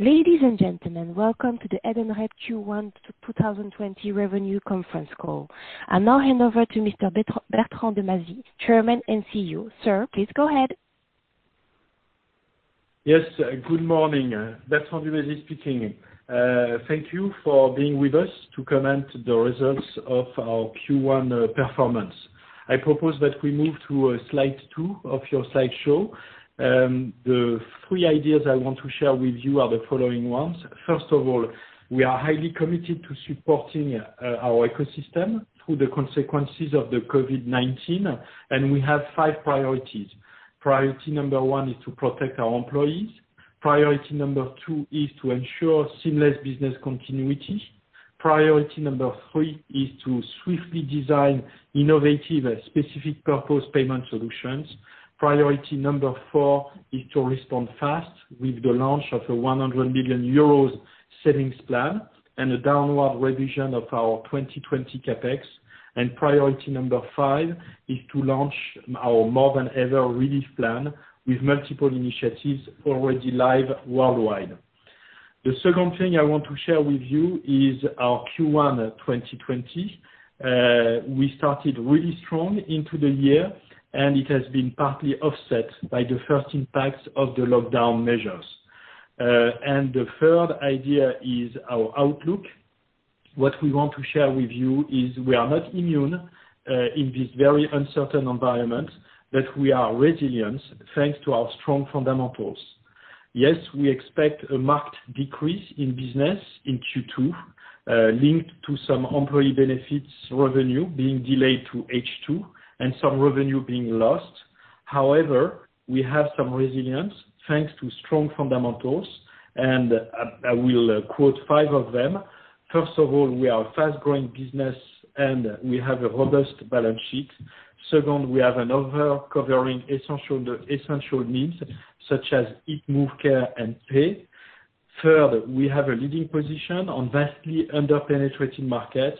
Ladies and gentlemen, welcome to the Edenred Q1 2020 Revenue Conference Call. I'll now hand over to Mr. Bertrand Dumazy, Chairman and CEO. Sir, please go ahead. Yes, good morning. Bertrand Dumazy speaking. Thank you for being with us to comment on the results of our Q1 performance. I propose that we move to slide two of your slideshow. The three ideas I want to share with you are the following ones. First of all, we are highly committed to supporting our ecosystem through the consequences of the COVID-19, and we have five priorities. Priority number one is to protect our employees. Priority number two is to ensure seamless business continuity. Priority number three is to swiftly design innovative specific purpose payment solutions. Priority number four is to respond fast with the launch of a 100 million euros savings plan and a downward revision of our 2020 CapEx, and priority number five is to launch our More Than Ever relief plan with multiple initiatives already live worldwide. The second thing I want to share with you is our Q1 2020. We started really strong into the year, and it has been partly offset by the first impacts of the lockdown measures, and the third idea is our outlook. What we want to share with you is we are not immune in this very uncertain environment, but we are resilient thanks to our strong fundamentals. Yes, we expect a marked decrease in business in Q2, linked to some employee benefits revenue being delayed to H2 and some revenue being lost. However, we have some resilience thanks to strong fundamentals, and I will quote five of them. First of all, we are a fast-growing business, and we have a robust balance sheet. Second, we have a covering essential needs such as Eat, Move, Care, and Pay. Third, we have a leading position on vastly under-penetrated markets.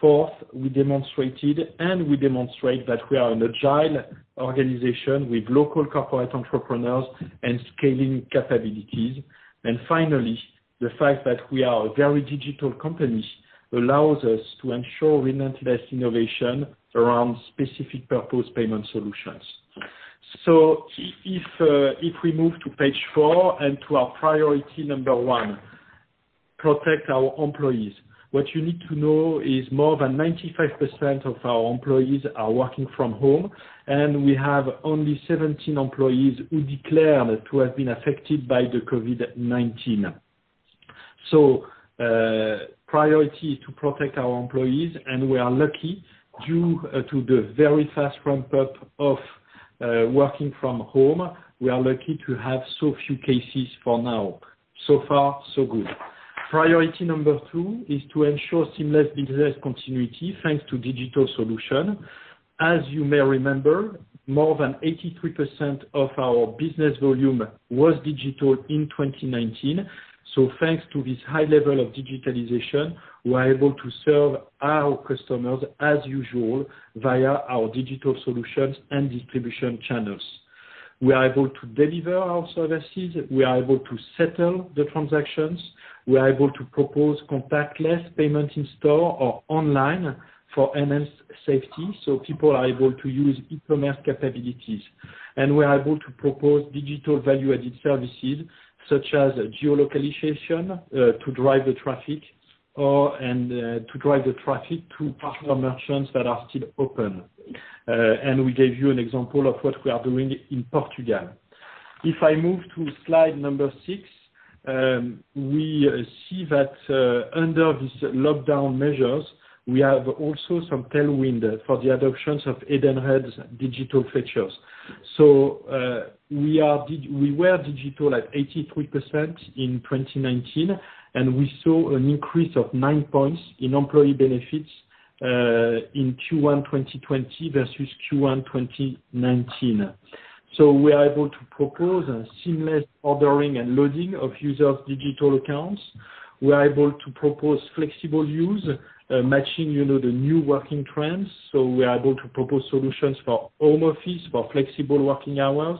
Fourth, we demonstrated, and we demonstrate that we are an agile organization with local corporate entrepreneurs and scaling capabilities. And finally, the fact that we are a very digital company allows us to ensure relentless innovation around specific purpose payment solutions. So if we move to page four and to our priority number one, protect our employees. What you need to know is more than 95% of our employees are working from home, and we have only 17 employees who declared to have been affected by the COVID-19. So priority is to protect our employees, and we are lucky due to the very fast ramp-up of working from home. We are lucky to have so few cases for now. So far, so good. Priority number two is to ensure seamless business continuity thanks to digital solutions. As you may remember, more than 83% of our business volume was digital in 2019, so thanks to this high level of digitalization, we are able to serve our customers as usual via our digital solutions and distribution channels. We are able to deliver our services. We are able to settle the transactions. We are able to propose contactless payment in store or online for enhanced safety, so people are able to use e-commerce capabilities. And we are able to propose digital value-added services such as geolocalization to drive the traffic and to drive the traffic to partner merchants that are still open, and we gave you an example of what we are doing in Portugal. If I move to slide number six, we see that under these lockdown measures, we have also some tailwind for the adoptions of Edenred's digital features. We were digital at 83% in 2019, and we saw an increase of nine points in employee benefits in Q1 2020 versus Q1 2019. We are able to propose seamless ordering and loading of users' digital accounts. We are able to propose flexible use, matching the new working trends. We are able to propose solutions for home office for flexible working hours.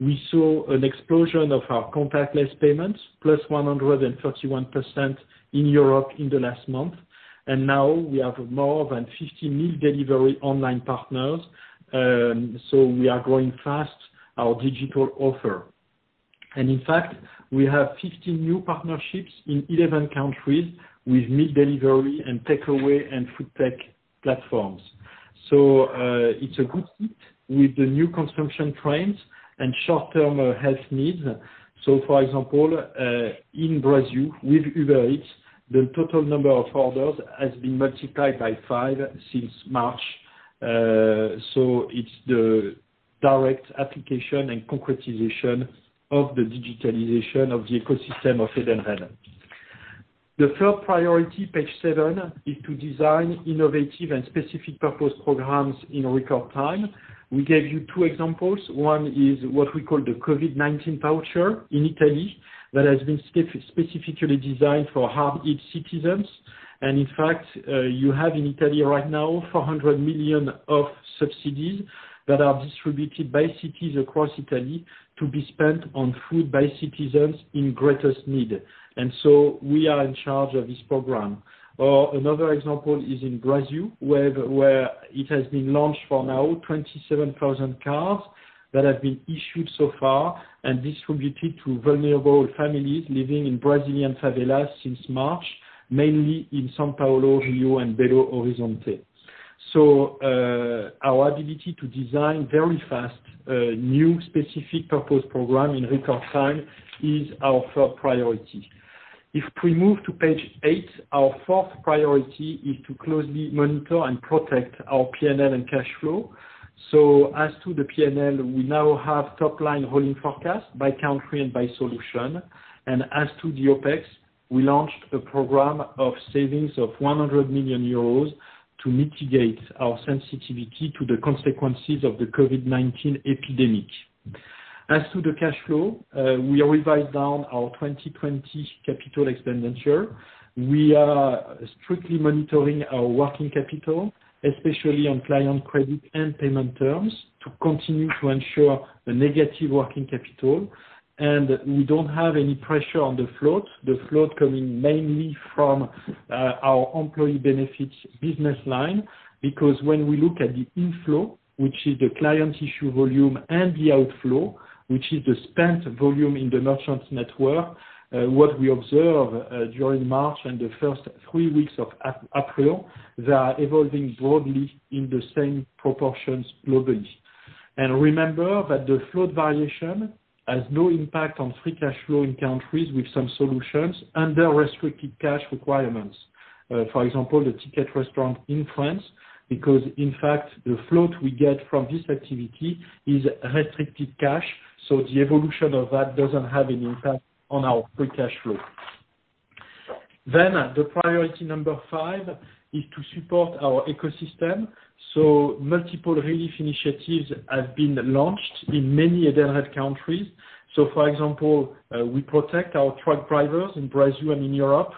We saw an explosion of our contactless payments, +131% in Europe in the last month. Now we have more than 50 meal delivery online partners. We are growing fast our digital offer. In fact, we have 15 new partnerships in 11 countries with meal delivery and takeaway and food tech platforms. It's a good fit with the new consumption trends and short-term health needs. So for example, in Brazil, with Uber Eats, the total number of orders has been multiplied by five since March. So it's the direct application and concretization of the digitalization of the ecosystem of Edenred. The third priority, page seven, is to design innovative and specific purpose programs in record time. We gave you two examples. One is what we call the COVID-19 voucher in Italy that has been specifically designed for hard-hit citizens. And in fact, you have in Italy right now 400 million of subsidies that are distributed by cities across Italy to be spent on food by citizens in greatest need. And so we are in charge of this program. Or another example is in Brazil, where it has been launched for now 27,000 cards that have been issued so far and distributed to vulnerable families living in Brazilian favelas since March, mainly in São Paulo, Rio de Janeiro, and Belo Horizonte. So our ability to design very fast new specific purpose programs in record time is our third priority. If we move to page eight, our fourth priority is to closely monitor and protect our P&L and cash flow. So as to the P&L, we now have top-line rolling forecast by country and by solution. And as to the OpEx, we launched a program of savings of 100 million euros to mitigate our sensitivity to the consequences of the COVID-19 epidemic. As to the cash flow, we revised down our 2020 capital expenditure. We are strictly monitoring our working capital, especially on client credit and payment terms, to continue to ensure a negative working capital. And we don't have any pressure on the float, the float coming mainly from our Employee Benefits business line. Because when we look at the inflow, which is the client issue volume, and the outflow, which is the spent volume in the merchants' network, what we observed during March and the first three weeks of April, they are evolving broadly in the same proportions globally. And remember that the float variation has no impact on free cash flow in countries with some solutions under restricted cash requirements. For example, the Ticket Restaurant in France, because in fact, the float we get from this activity is restricted cash. So the evolution of that doesn't have any impact on our free cash flow. The priority number five is to support our ecosystem. Multiple relief initiatives have been launched in many Edenred countries. For example, we protect our truck drivers in Brazil and in Europe.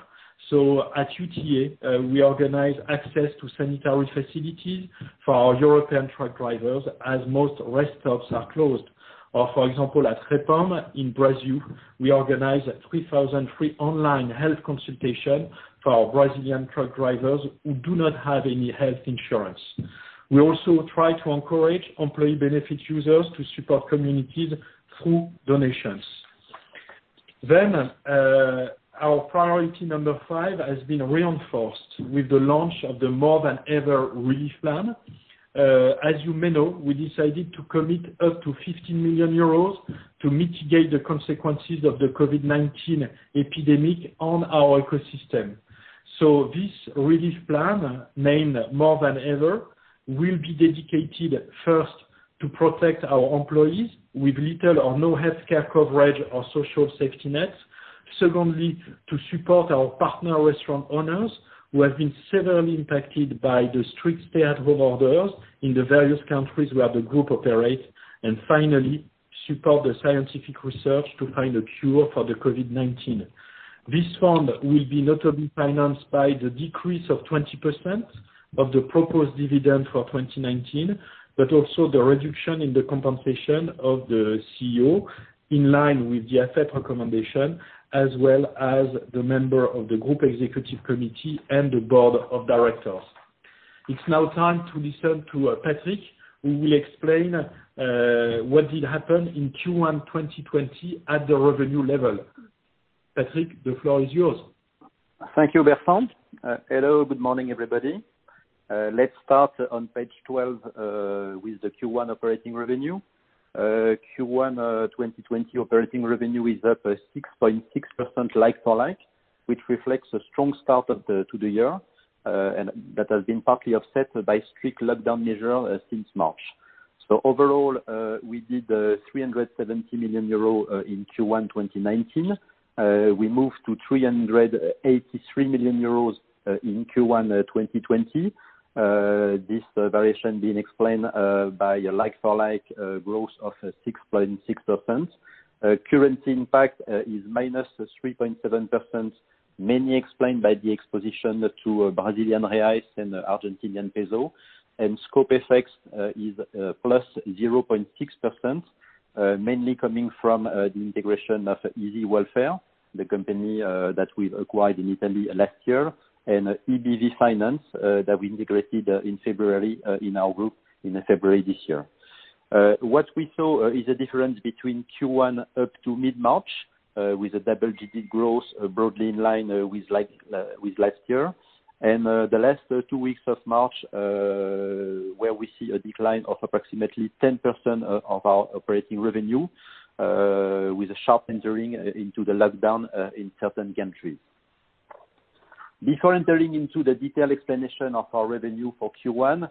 At UTA, we organize access to sanitary facilities for our European truck drivers as most rest stops are closed. For example, at Repom in Brazil, we organize 3,000 free online health consultations for our Brazilian truck drivers who do not have any health insurance. We also try to encourage employee benefits users to support communities through donations. Our priority number five has been reinforced with the launch of the More Than Ever relief plan. As you may know, we decided to commit up to 15 million euros to mitigate the consequences of the COVID-19 epidemic on our ecosystem. So this relief plan, named More Than Ever, will be dedicated first to protect our employees with little or no healthcare coverage or social safety nets. Secondly, to support our partner restaurant owners who have been severely impacted by the strict stay-at-home orders in the various countries where the group operates. And finally, support the scientific research to find a cure for the COVID-19. This fund will be notably financed by the decrease of 20% of the proposed dividend for 2019, but also the reduction in the compensation of the CEO in line with the AFEP recommendation, as well as the member of the group executive committee and the board of directors. It's now time to listen to Patrick, who will explain what did happen in Q1 2020 at the revenue level. Patrick, the floor is yours. Thank you, Bertrand. Hello, good morning, everybody. Let's start on page 12 with the Q1 operating revenue. Q1 2020 operating revenue is up 6.6% like-for-like, which reflects a strong start to the year, and that has been partly offset by strict lockdown measures since March. So overall, we did 370 million euro in Q1 2019. We moved to 383 million euros in Q1 2020. This variation being explained by like-for-like growth of 6.6%. Currency impact is -3.7%, mainly explained by the exposure to Brazilian reais and Argentinian peso. Scope effects is +0.6%, mainly coming from the integration of Easy Welfare, the company that we've acquired in Italy last year, and EBV Finance that we integrated in February in our group this year. What we saw is a difference between Q1 up to mid-March with a double-digit growth broadly in line with last year. And the last two weeks of March, where we see a decline of approximately 10% of our operating revenue, with a sharp entry into the lockdown in certain countries. Before entering into the detailed explanation of our revenue for Q1,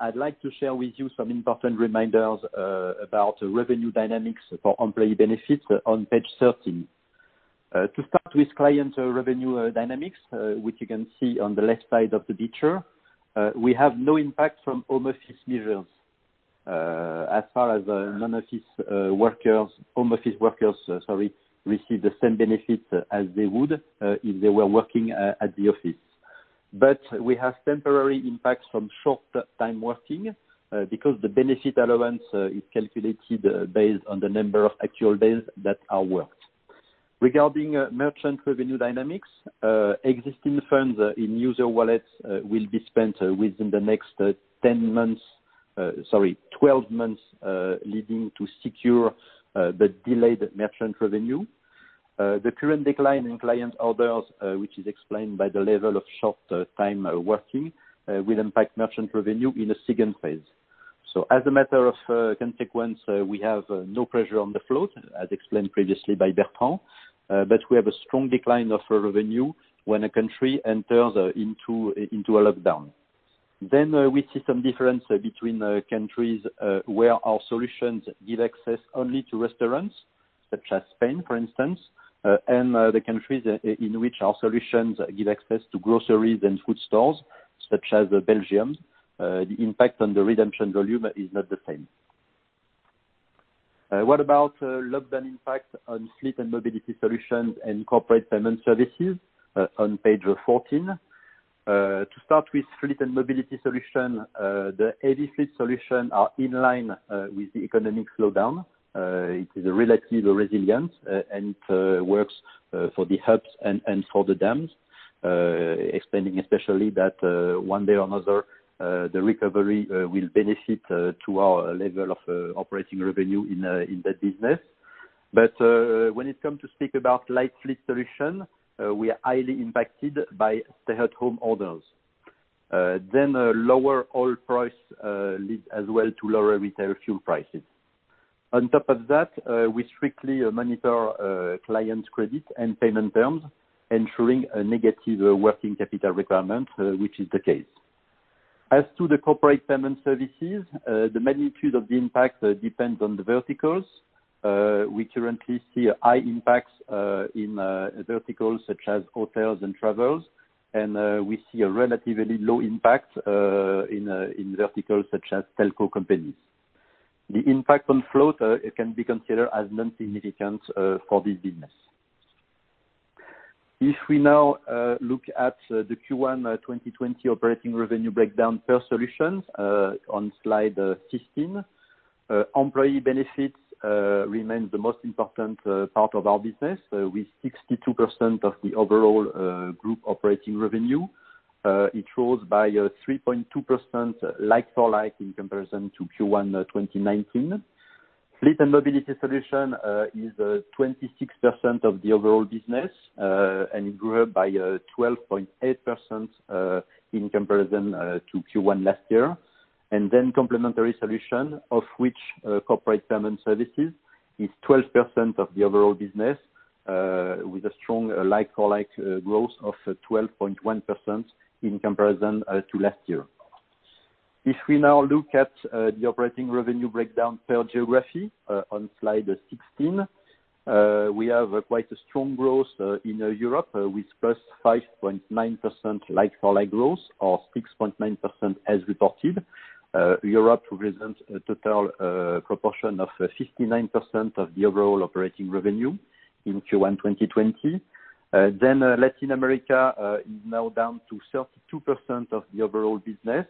I'd like to share with you some important reminders about revenue dynamics for employee benefits on page 13. To start with client revenue dynamics, which you can see on the left side of the picture, we have no impact from home office measures as far as non-office workers, home office workers, sorry, receive the same benefits as they would if they were working at the office. But we have temporary impacts from short-time working because the benefit allowance is calculated based on the number of actual days that are worked. Regarding merchant revenue dynamics, existing funds in user wallets will be spent within the next 10 months, sorry, 12 months leading to secure the delayed merchant revenue. The current decline in client orders, which is explained by the level of short-time working, will impact merchant revenue in a second phase. So as a matter of consequence, we have no pressure on the float, as explained previously by Bertrand. But we have a strong decline of revenue when a country enters into a lockdown. Then we see some difference between countries where our solutions give access only to restaurants, such as Spain, for instance, and the countries in which our solutions give access to groceries and food stores, such as Belgium. The impact on the redemption volume is not the same. What about lockdown impact on fleet and mobility solutions and corporate payment services on page 14? To start with fleet and mobility solutions, the heavy fleet solutions are in line with the economic slowdown. It is relative resilience and works for the hubs and for the dams, explaining especially that one day or another, the recovery will benefit to our level of operating revenue in that business. But when it comes to speak about light fleet solutions, we are highly impacted by stay-at-home orders. Then lower oil prices lead as well to lower retail fuel prices. On top of that, we strictly monitor client credit and payment terms, ensuring a negative working capital requirement, which is the case. As to the corporate payment services, the magnitude of the impact depends on the verticals. We currently see high impacts in verticals such as hotels and travels, and we see a relatively low impact in verticals such as telco companies. The impact on float can be considered as non-significant for this business. If we now look at the Q1 2020 operating revenue breakdown per solution on slide 15, employee benefits remain the most important part of our business, with 62% of the overall group operating revenue. It rose by 3.2% like-for-like in comparison to Q1 2019. Fleet and mobility solution is 26% of the overall business and grew by 12.8% in comparison to Q1 last year. And then complementary solution, of which corporate payment services, is 12% of the overall business, with a strong like-for-like growth of 12.1% in comparison to last year. If we now look at the operating revenue breakdown per geography on slide 16, we have quite a strong growth in Europe with +5.9% like-for-like growth or 6.9% as reported. Europe represents a total proportion of 59% of the overall operating revenue in Q1 2020. Then Latin America is now down to 32% of the overall business,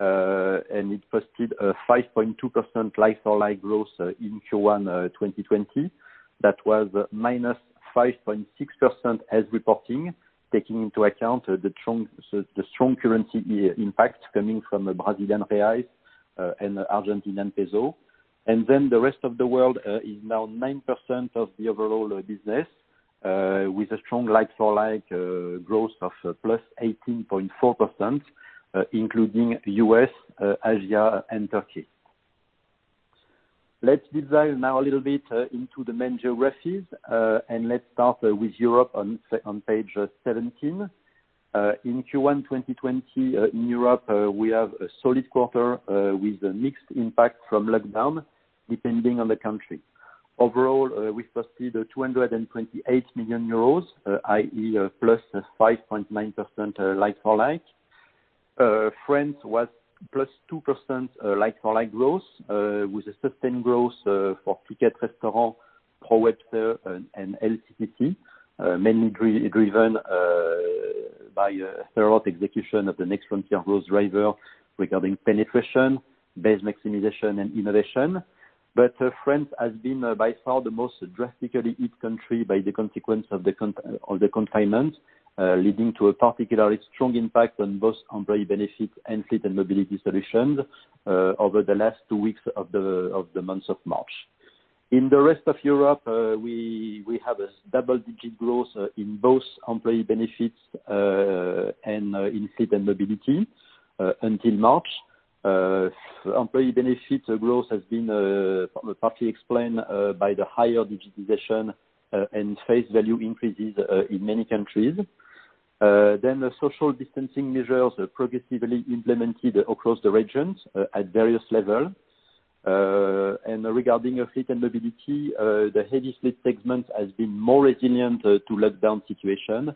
and it posted a 5.2% like-for-like growth in Q1 2020. That was -5.6% as reporting, taking into account the strong currency impacts coming from Brazilian reais and Argentine peso. And then the rest of the world is now 9% of the overall business, with a strong like-for-like growth of +18.4%, including U.S., Asia, and Turkey. Let's deep dive now a little bit into the main geographies, and let's start with Europe on page 17. In Q1 2020 in Europe, we have a solid quarter with mixed impact from lockdown, depending on the country. Overall, we posted 228 million euros, i.e., +5.9% like-for-like. France was +2% like-for-like growth, with a sustained growth for Ticket Restaurant, ProwebCE, and LCCC, mainly driven by thorough execution of the Next Frontier growth driver regarding penetration, base maximization, and innovation. But France has been by far the most drastically hit country by the consequence of the confinement, leading to a particularly strong impact on both employee benefits and fleet and mobility solutions over the last two weeks of the month of March. In the rest of Europe, we have a double-digit growth in both employee benefits and in fleet and mobility until March. Employee benefit growth has been partly explained by the higher digitization and face value increases in many countries. Then social distancing measures are progressively implemented across the region at various levels. And regarding fleet and mobility, the heavy fleet segment has been more resilient to lockdown situations,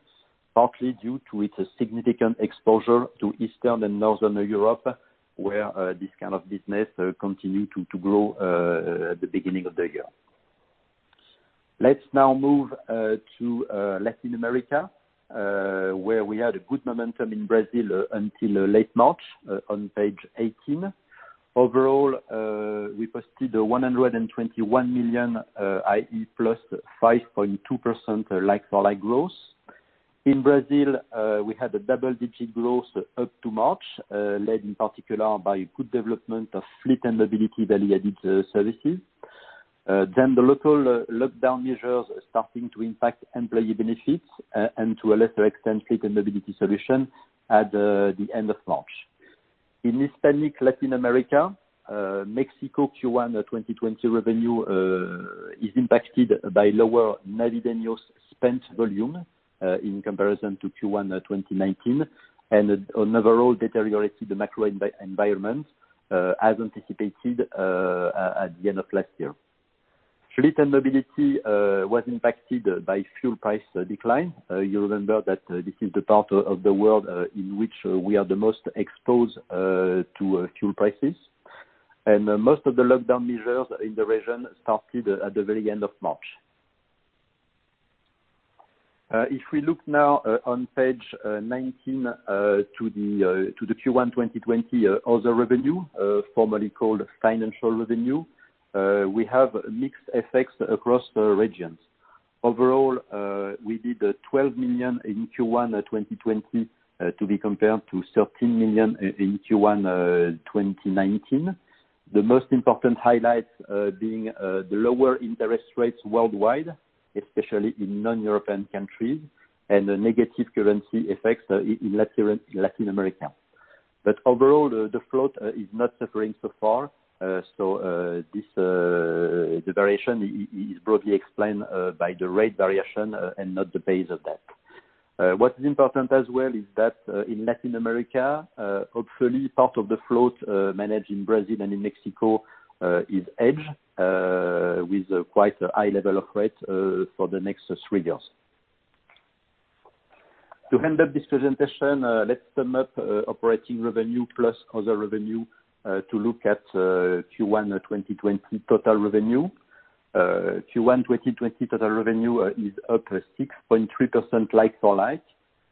partly due to its significant exposure to Eastern and Northern Europe, where this kind of business continued to grow at the beginning of the year. Let's now move to Latin America, where we had a good momentum in Brazil until late March on page 18. Overall, we posted 121 million, i.e., +5.2% like-for-like growth. In Brazil, we had a double-digit growth up to March, led in particular by good development of fleet and mobility value-added services. Then the local lockdown measures are starting to impact employee benefits and, to a lesser extent, fleet and mobility solutions at the end of March. In Hispanic Latin America, Mexico Q1 2020 revenue is impacted by lower Navideños spent volume in comparison to Q1 2019, and overall, deteriorated the macro environment as anticipated at the end of last year. Fleet and mobility were impacted by fuel price decline. You remember that this is the part of the world in which we are the most exposed to fuel prices. And most of the lockdown measures in the region started at the very end of March. If we look now on page 19 to the Q1 2020 other revenue, formerly called financial revenue, we have mixed effects across regions. Overall, we did 12 million in Q1 2020 to be compared to 13 million in Q1 2019. The most important highlights being the lower interest rates worldwide, especially in non-European countries, and negative currency effects in Latin America. But overall, the float is not suffering so far. So the variation is broadly explained by the rate variation and not the base of that. What's important as well is that in Latin America, hopefully, part of the float managed in Brazil and in Mexico is hedged, with quite a high level of rate for the next three years. To handle this presentation, let's sum up operating revenue plus other revenue to look at Q1 2020 total revenue. Q1 2020 total revenue is up 6.3% like-for-like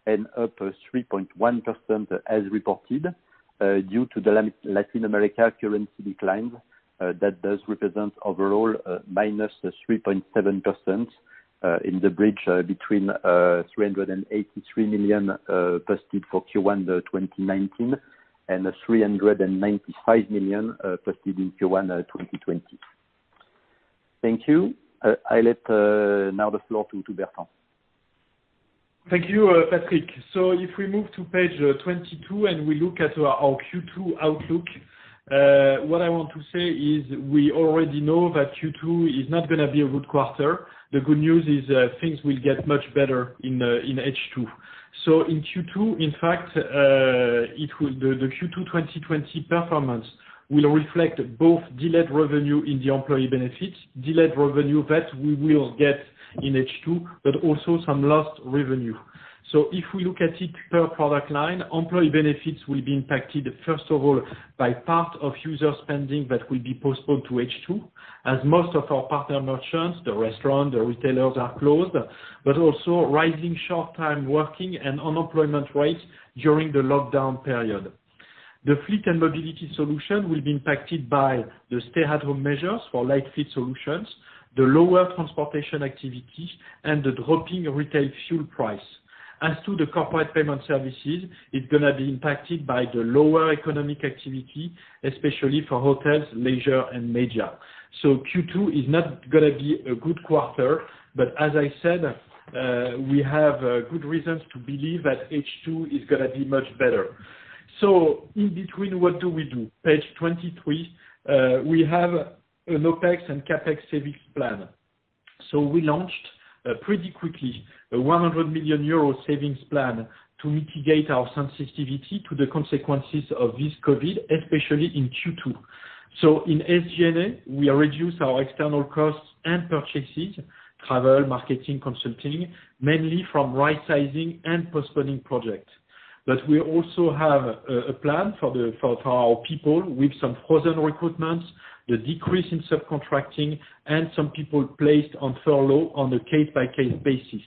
and up 3.1% as reported due to the Latin America currency decline. That does represent overall -3.7% in the bridge between 383 million posted for Q1 2019 and 395 million posted in Q1 2020. Thank you. I'll let now the floor to Bertrand. Thank you, Patrick. So if we move to page 22 and we look at our Q2 outlook, what I want to say is we already know that Q2 is not going to be a good quarter. The good news is things will get much better in H2. So in Q2, in fact, the Q2 2020 performance will reflect both delayed revenue in the employee benefits, delayed revenue that we will get in H2, but also some lost revenue. So if we look at it per product line, employee benefits will be impacted, first of all, by part of user spending that will be postponed to H2, as most of our partner merchants, the restaurants, the retailers are closed, but also rising short-time working and unemployment rates during the lockdown period. The fleet and mobility solution will be impacted by the stay-at-home measures for light fleet solutions, the lower transportation activity, and the dropping retail fuel price. As to the corporate payment services, it's going to be impacted by the lower economic activity, especially for hotels, leisure, and media. So Q2 is not going to be a good quarter, but as I said, we have good reasons to believe that H2 is going to be much better. So in between, what do we do? Page 23, we have an OpEx and CapEx savings plan. So we launched pretty quickly a 100 million euro savings plan to mitigate our sensitivity to the consequences of this COVID, especially in Q2. So in SG&A, we reduce our external costs and purchases, travel, marketing, consulting, mainly from right-sizing and postponing projects. But we also have a plan for our people with some frozen recruitments, the decrease in subcontracting, and some people placed on furlough on a case-by-case basis.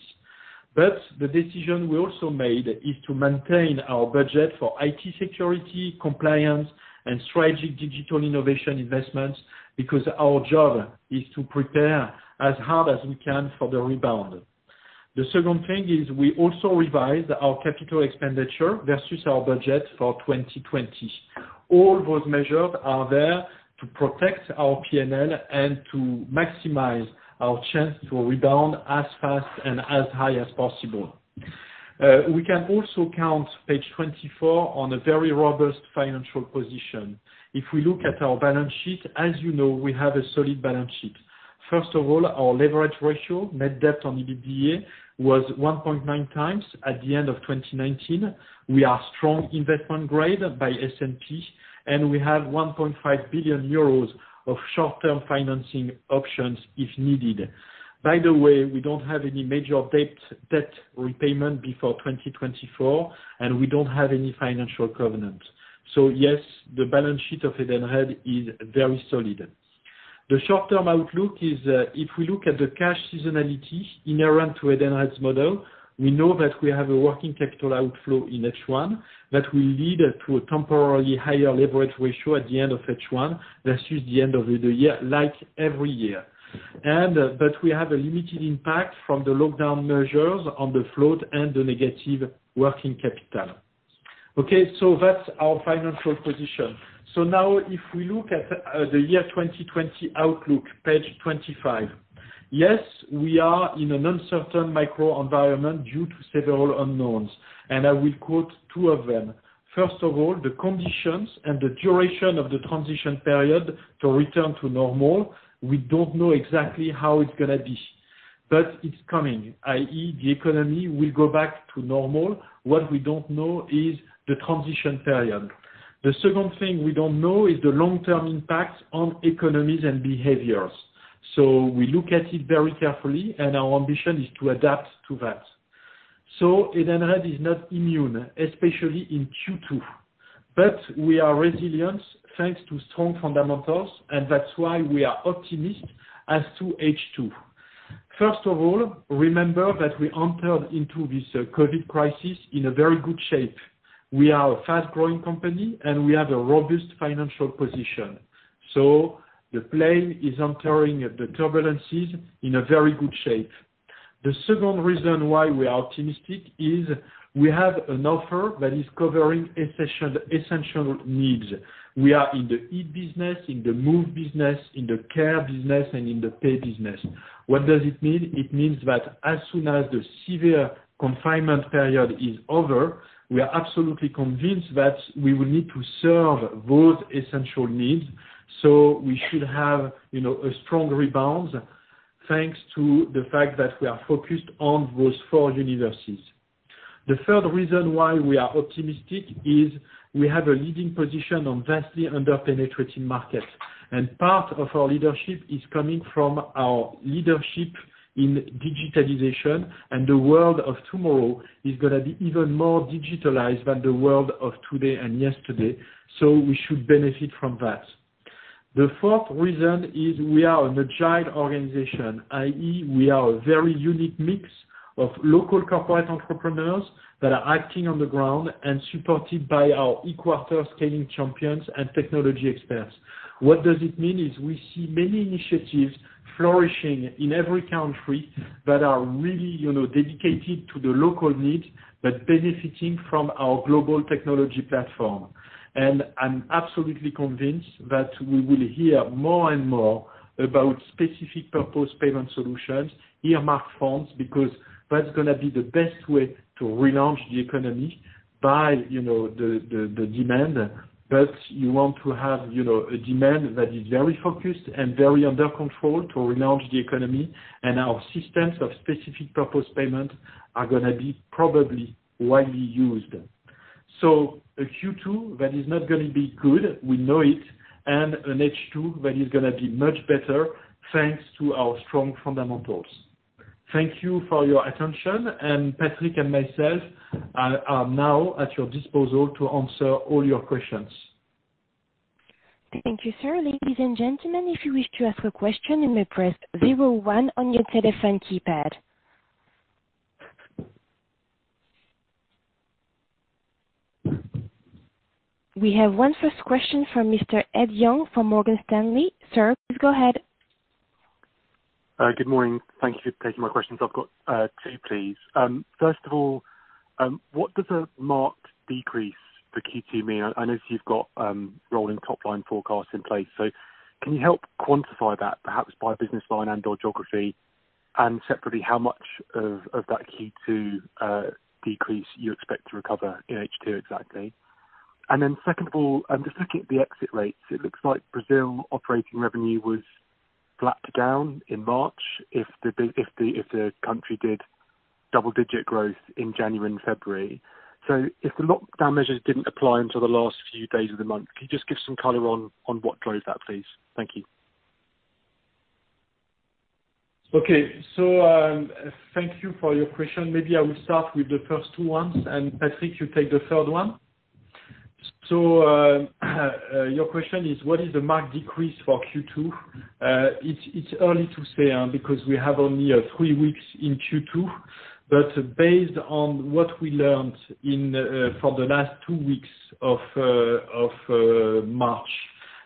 But the decision we also made is to maintain our budget for IT security, compliance, and strategic digital innovation investments because our job is to prepare as hard as we can for the rebound. The second thing is we also revised our capital expenditure versus our budget for 2020. All those measures are there to protect our P&L and to maximize our chance to rebound as fast and as high as possible. We can also count on page 24 a very robust financial position. If we look at our balance sheet, as you know, we have a solid balance sheet. First of all, our leverage ratio, net debt on EBITDA, was 1.9x at the end of 2019. We are strong investment-grade by S&P, and we have 1.5 billion euros of short-term financing options if needed. By the way, we don't have any major debt repayment before 2024, and we don't have any financial covenants. So yes, the balance sheet of Edenred is very solid. The short-term outlook is if we look at the cash seasonality inherent to Edenred's model, we know that we have a working capital outflow in H1 that will lead to a temporarily higher leverage ratio at the end of H1 versus the end of the year, like every year. But we have a limited impact from the lockdown measures on the float and the negative working capital. Okay, so that's our financial position. So now, if we look at the year 2020 outlook, page 25, yes, we are in an uncertain macro-environment due to several unknowns. I will quote two of them. First of all, the conditions and the duration of the transition period to return to normal, we don't know exactly how it's going to be, but it's coming, i.e., the economy will go back to normal. What we don't know is the transition period. The second thing we don't know is the long-term impacts on economies and behaviors. So we look at it very carefully, and our ambition is to adapt to that. So Edenred is not immune, especially in Q2. But we are resilient thanks to strong fundamentals, and that's why we are optimistic as to H2. First of all, remember that we entered into this COVID crisis in a very good shape. We are a fast-growing company, and we have a robust financial position. So the plane is entering the turbulences in a very good shape. The second reason why we are optimistic is we have an offer that is covering essential needs. We are in the Eat business, in the Move business, in the Care business, and in the Pay business. What does it mean? It means that as soon as the severe confinement period is over, we are absolutely convinced that we will need to serve those essential needs. So we should have a strong rebound thanks to the fact that we are focused on those four businesses. The third reason why we are optimistic is we have a leading position on vastly under-penetrating markets. And part of our leadership is coming from our leadership in digitalization, and the world of tomorrow is going to be even more digitalized than the world of today and yesterday. So we should benefit from that. The fourth reason is we are an agile organization, i.e., we are a very unique mix of local corporate entrepreneurs that are acting on the ground and supported by our Edenred scaling champions and technology experts. What does it mean is we see many initiatives flourishing in every country that are really dedicated to the local needs but benefiting from our global technology platform, and I'm absolutely convinced that we will hear more and more about specific purpose payment solutions, earmarked funds, because that's going to be the best way to relaunch the economy by the demand, but you want to have a demand that is very focused and very under control to relaunch the economy, and our systems of specific purpose payments are going to be probably widely used. A Q2 that is not going to be good, we know it, and an H2 that is going to be much better thanks to our strong fundamentals. Thank you for your attention. Patrick and myself are now at your disposal to answer all your questions. Thank you, sir. Ladies and gentlemen, if you wish to ask a question, you may press zero one on your telephone keypad. We have one first question from Mr. Ed Young from Morgan Stanley. Sir, please go ahead. Good morning. Thank you for taking my questions, please. First of all, what does a marked decrease for Q2 mean? I know you've got rolling top-line forecasts in place. So can you help quantify that, perhaps by business line and/or geography? And separately, how much of that Q2 decrease you expect to recover in H2 exactly? And then second of all, I'm just looking at the exit rates. It looks like Brazil's operating revenue was flat down in March, if the country did double-digit growth in January and February. So if the lockdown measures didn't apply until the last few days of the month, can you just give some color on what drove that, please? Thank you. Okay. So thank you for your question. Maybe I will start with the first two ones, and Patrick, you take the third one. So your question is, what is the marked decrease for Q2? It's early to say because we have only three weeks in Q2. But based on what we learned for the last two weeks of March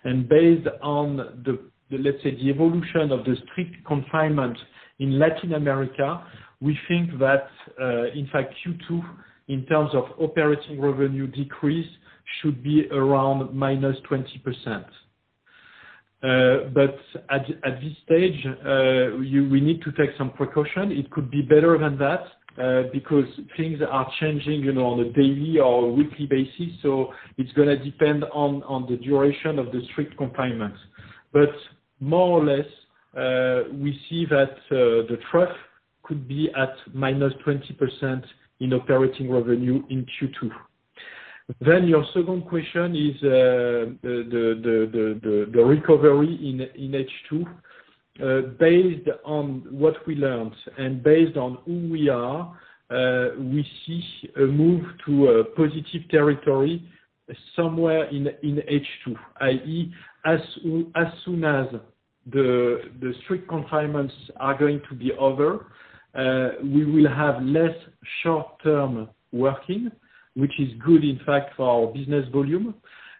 and based on, let's say, the evolution of the strict confinement in Latin America, we think that, in fact, Q2, in terms of operating revenue decrease, should be around -20%. But at this stage, we need to take some precaution. It could be better than that because things are changing on a daily or weekly basis. So it's going to depend on the duration of the strict confinement. But more or less, we see that the trough could be at -20% in operating revenue in Q2. Then your second question is the recovery in H2. Based on what we learned and based on who we are, we see a move to positive territory somewhere in H2, i.e., as soon as the strict confinements are going to be over, we will have less short-time working, which is good, in fact, for our business volume.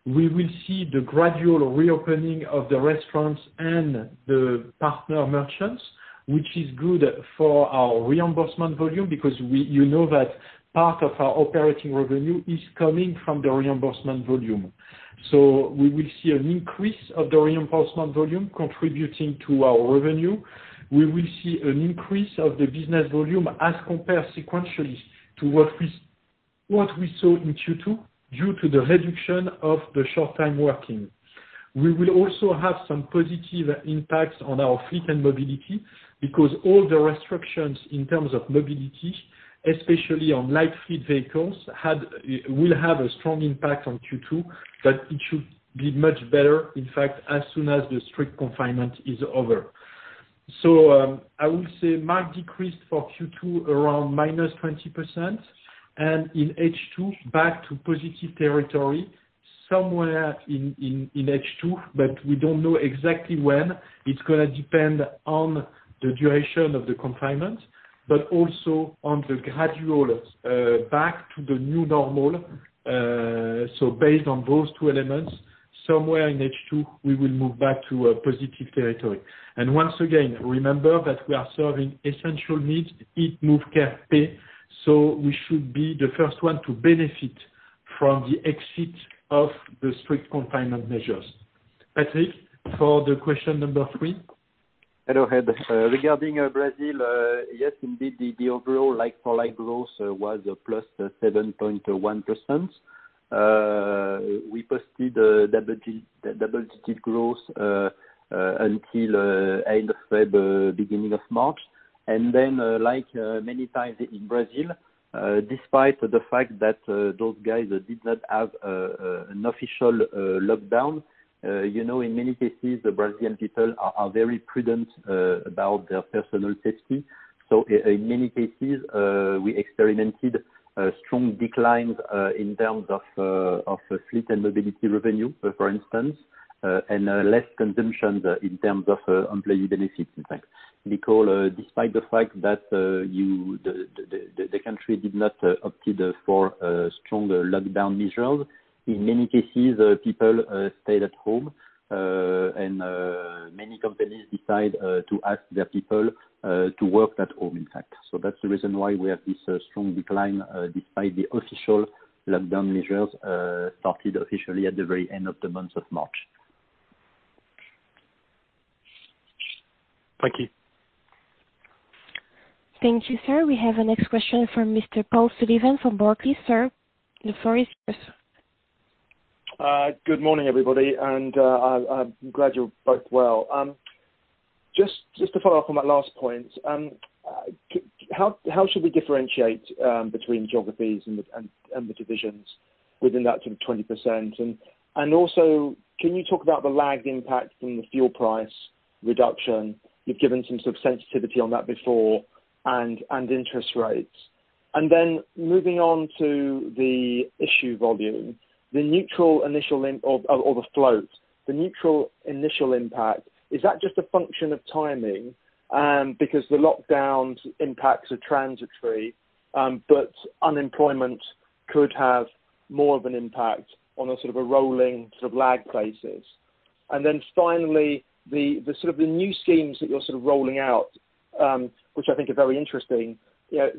We will see the gradual reopening of the restaurants and the partner merchants, which is good for our reimbursement volume because you know that part of our operating revenue is coming from the reimbursement volume. So we will see an increase of the reimbursement volume contributing to our revenue. We will see an increase of the business volume as compared sequentially to what we saw in Q2 due to the reduction of the short-time working. We will also have some positive impacts on our fleet and mobility because all the restrictions in terms of mobility, especially on light fleet vehicles, will have a strong impact on Q2, but it should be much better, in fact, as soon as the strict confinement is over. So I will say marked decrease for Q2 around -20%, and in H2, back to positive territory somewhere in H2, but we don't know exactly when. It's going to depend on the duration of the confinement, but also on the gradual back to the new normal. So based on those two elements, somewhere in H2, we will move back to positive territory. And once again, remember that we are serving essential needs: Eat, Move, Care, Pay. So we should be the first one to benefit from the exit of the strict confinement measures. Patrick, for the question number three. Hello, Ed. Regarding Brazil, yes, indeed, the overall like-for-like growth was +7.1%. We posted double-digit growth until end of February, beginning of March. And then, like many times in Brazil, despite the fact that those guys did not have an official lockdown, in many cases, the Brazilian people are very prudent about their personal safety. So in many cases, we experienced strong declines in terms of fleet and mobility revenue, for instance, and less consumption in terms of employee benefits, in fact. Because despite the fact that the country did not opt for strong lockdown measures, in many cases, people stayed at home, and many companies decided to ask their people to work at home, in fact. So that's the reason why we have this strong decline despite the official lockdown measures started officially at the very end of the month of March. Thank you. Thank you, sir. We have a next question from Mr. Paul Sullivan from Barclays. Sir, the floor is yours. Good morning, everybody, and I'm glad you're both well. Just to follow up on that last point, how should we differentiate between geographies and the divisions within that sort of 20%? And also, can you talk about the lagged impact from the fuel price reduction? You've given some sort of sensitivity on that before and interest rates. And then moving on to the issue volume, the neutral initial or the float, the neutral initial impact, is that just a function of timing? Because the lockdown impacts are transitory, but unemployment could have more of an impact on a sort of a rolling sort of lag basis. And then finally, the sort of new schemes that you're sort of rolling out, which I think are very interesting,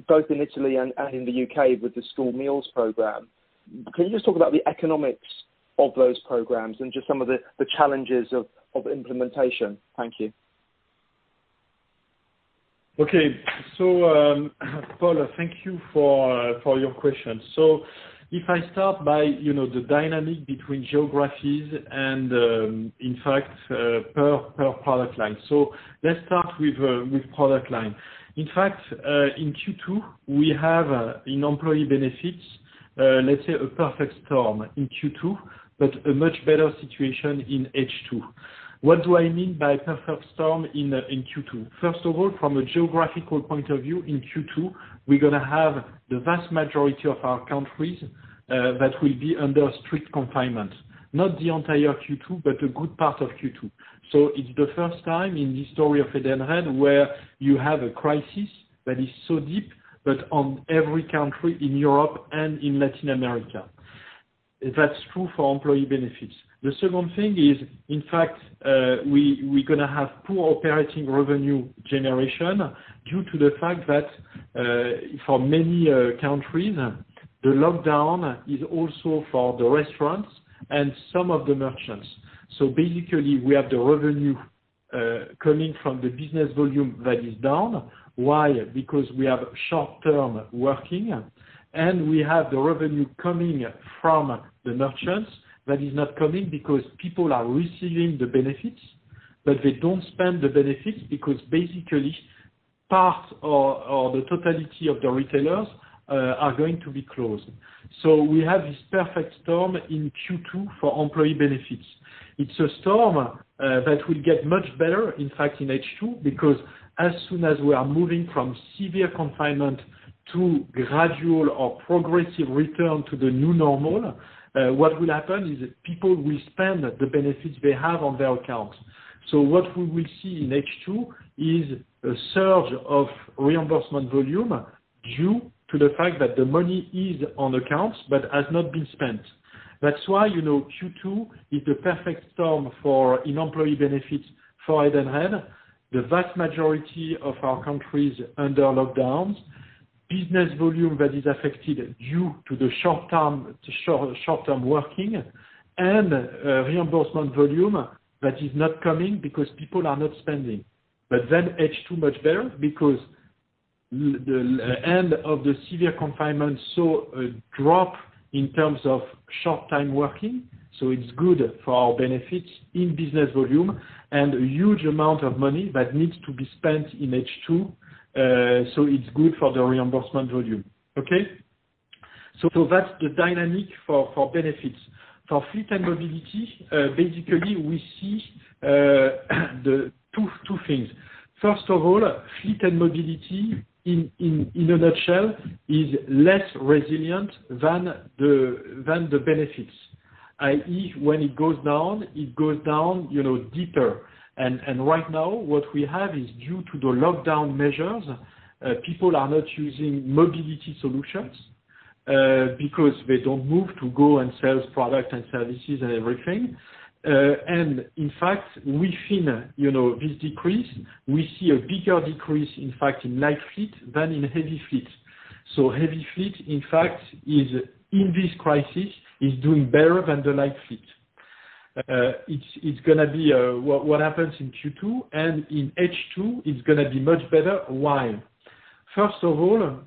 both in Italy and in the U.K. with the School Meals Program. Can you just talk about the economics of those programs and just some of the challenges of implementation? Thank you. Okay. So, Paul, thank you for your question. So if I start by the dynamic between geographies and, in fact, per product line. So let's start with product line. In fact, in Q2, we have in employee benefits, let's say, a perfect storm in Q2, but a much better situation in H2. What do I mean by perfect storm in Q2? First of all, from a geographical point of view, in Q2, we're going to have the vast majority of our countries that will be under strict confinement, not the entire Q2, but a good part of Q2. So it's the first time in the story of Edenred where you have a crisis that is so deep, but on every country in Europe and in Latin America. That's true for employee benefits. The second thing is, in fact, we're going to have poor operating revenue generation due to the fact that for many countries, the lockdown is also for the restaurants and some of the merchants. So basically, we have the revenue coming from the business volume that is down. Why? Because we have short-time working, and we have the revenue coming from the merchants that is not coming because people are receiving the benefits, but they don't spend the benefits because basically part or the totality of the retailers are going to be closed. So we have this perfect storm in Q2 for employee benefits. It's a storm that will get much better, in fact, in H2 because as soon as we are moving from severe confinement to gradual or progressive return to the new normal, what will happen is people will spend the benefits they have on their accounts. What we will see in H2 is a surge of reimbursement volume due to the fact that the money is on accounts but has not been spent. That's why Q2 is the perfect storm for employee benefits for Edenred. The vast majority of our countries under lockdowns, business volume that is affected due to the short-time working, and reimbursement volume that is not coming because people are not spending. But then H2 much better because the end of the severe confinement saw a drop in terms of short-time working. So it's good for our benefits business volume and a huge amount of money that needs to be spent in H2. So it's good for the reimbursement volume. Okay? So that's the dynamic for benefits. For fleet and mobility, basically, we see two things. First of all, fleet and mobility, in a nutshell, is less resilient than the benefits, i.e., when it goes down, it goes down deeper, and right now, what we have is due to the lockdown measures, people are not using mobility solutions because they don't move to go and sell products and services and everything, and in fact, within this decrease, we see a bigger decrease, in fact, in light fleet than in heavy fleet, so heavy fleet, in fact, in this crisis, is doing better than the light fleet. It's going to be what happens in Q2 and in H2, it's going to be much better. Why? First of all,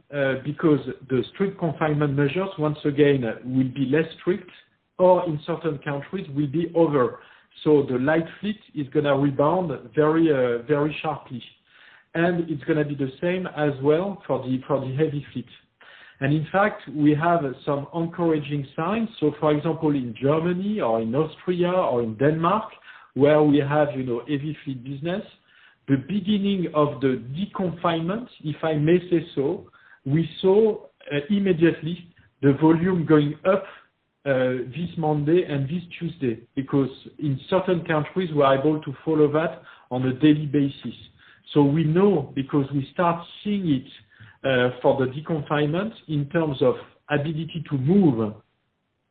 because the strict confinement measures, once again, will be less strict or in certain countries, will be over, so the light fleet is going to rebound very sharply. It's going to be the same as well for the heavy fleet. In fact, we have some encouraging signs. For example, in Germany or in Austria or in Denmark, where we have heavy fleet business, the beginning of the deconfinement, if I may say so. We saw immediately the volume going up this Monday and this Tuesday because in certain countries, we are able to follow that on a daily basis. We know because we start seeing it for the deconfinement in terms of ability to move,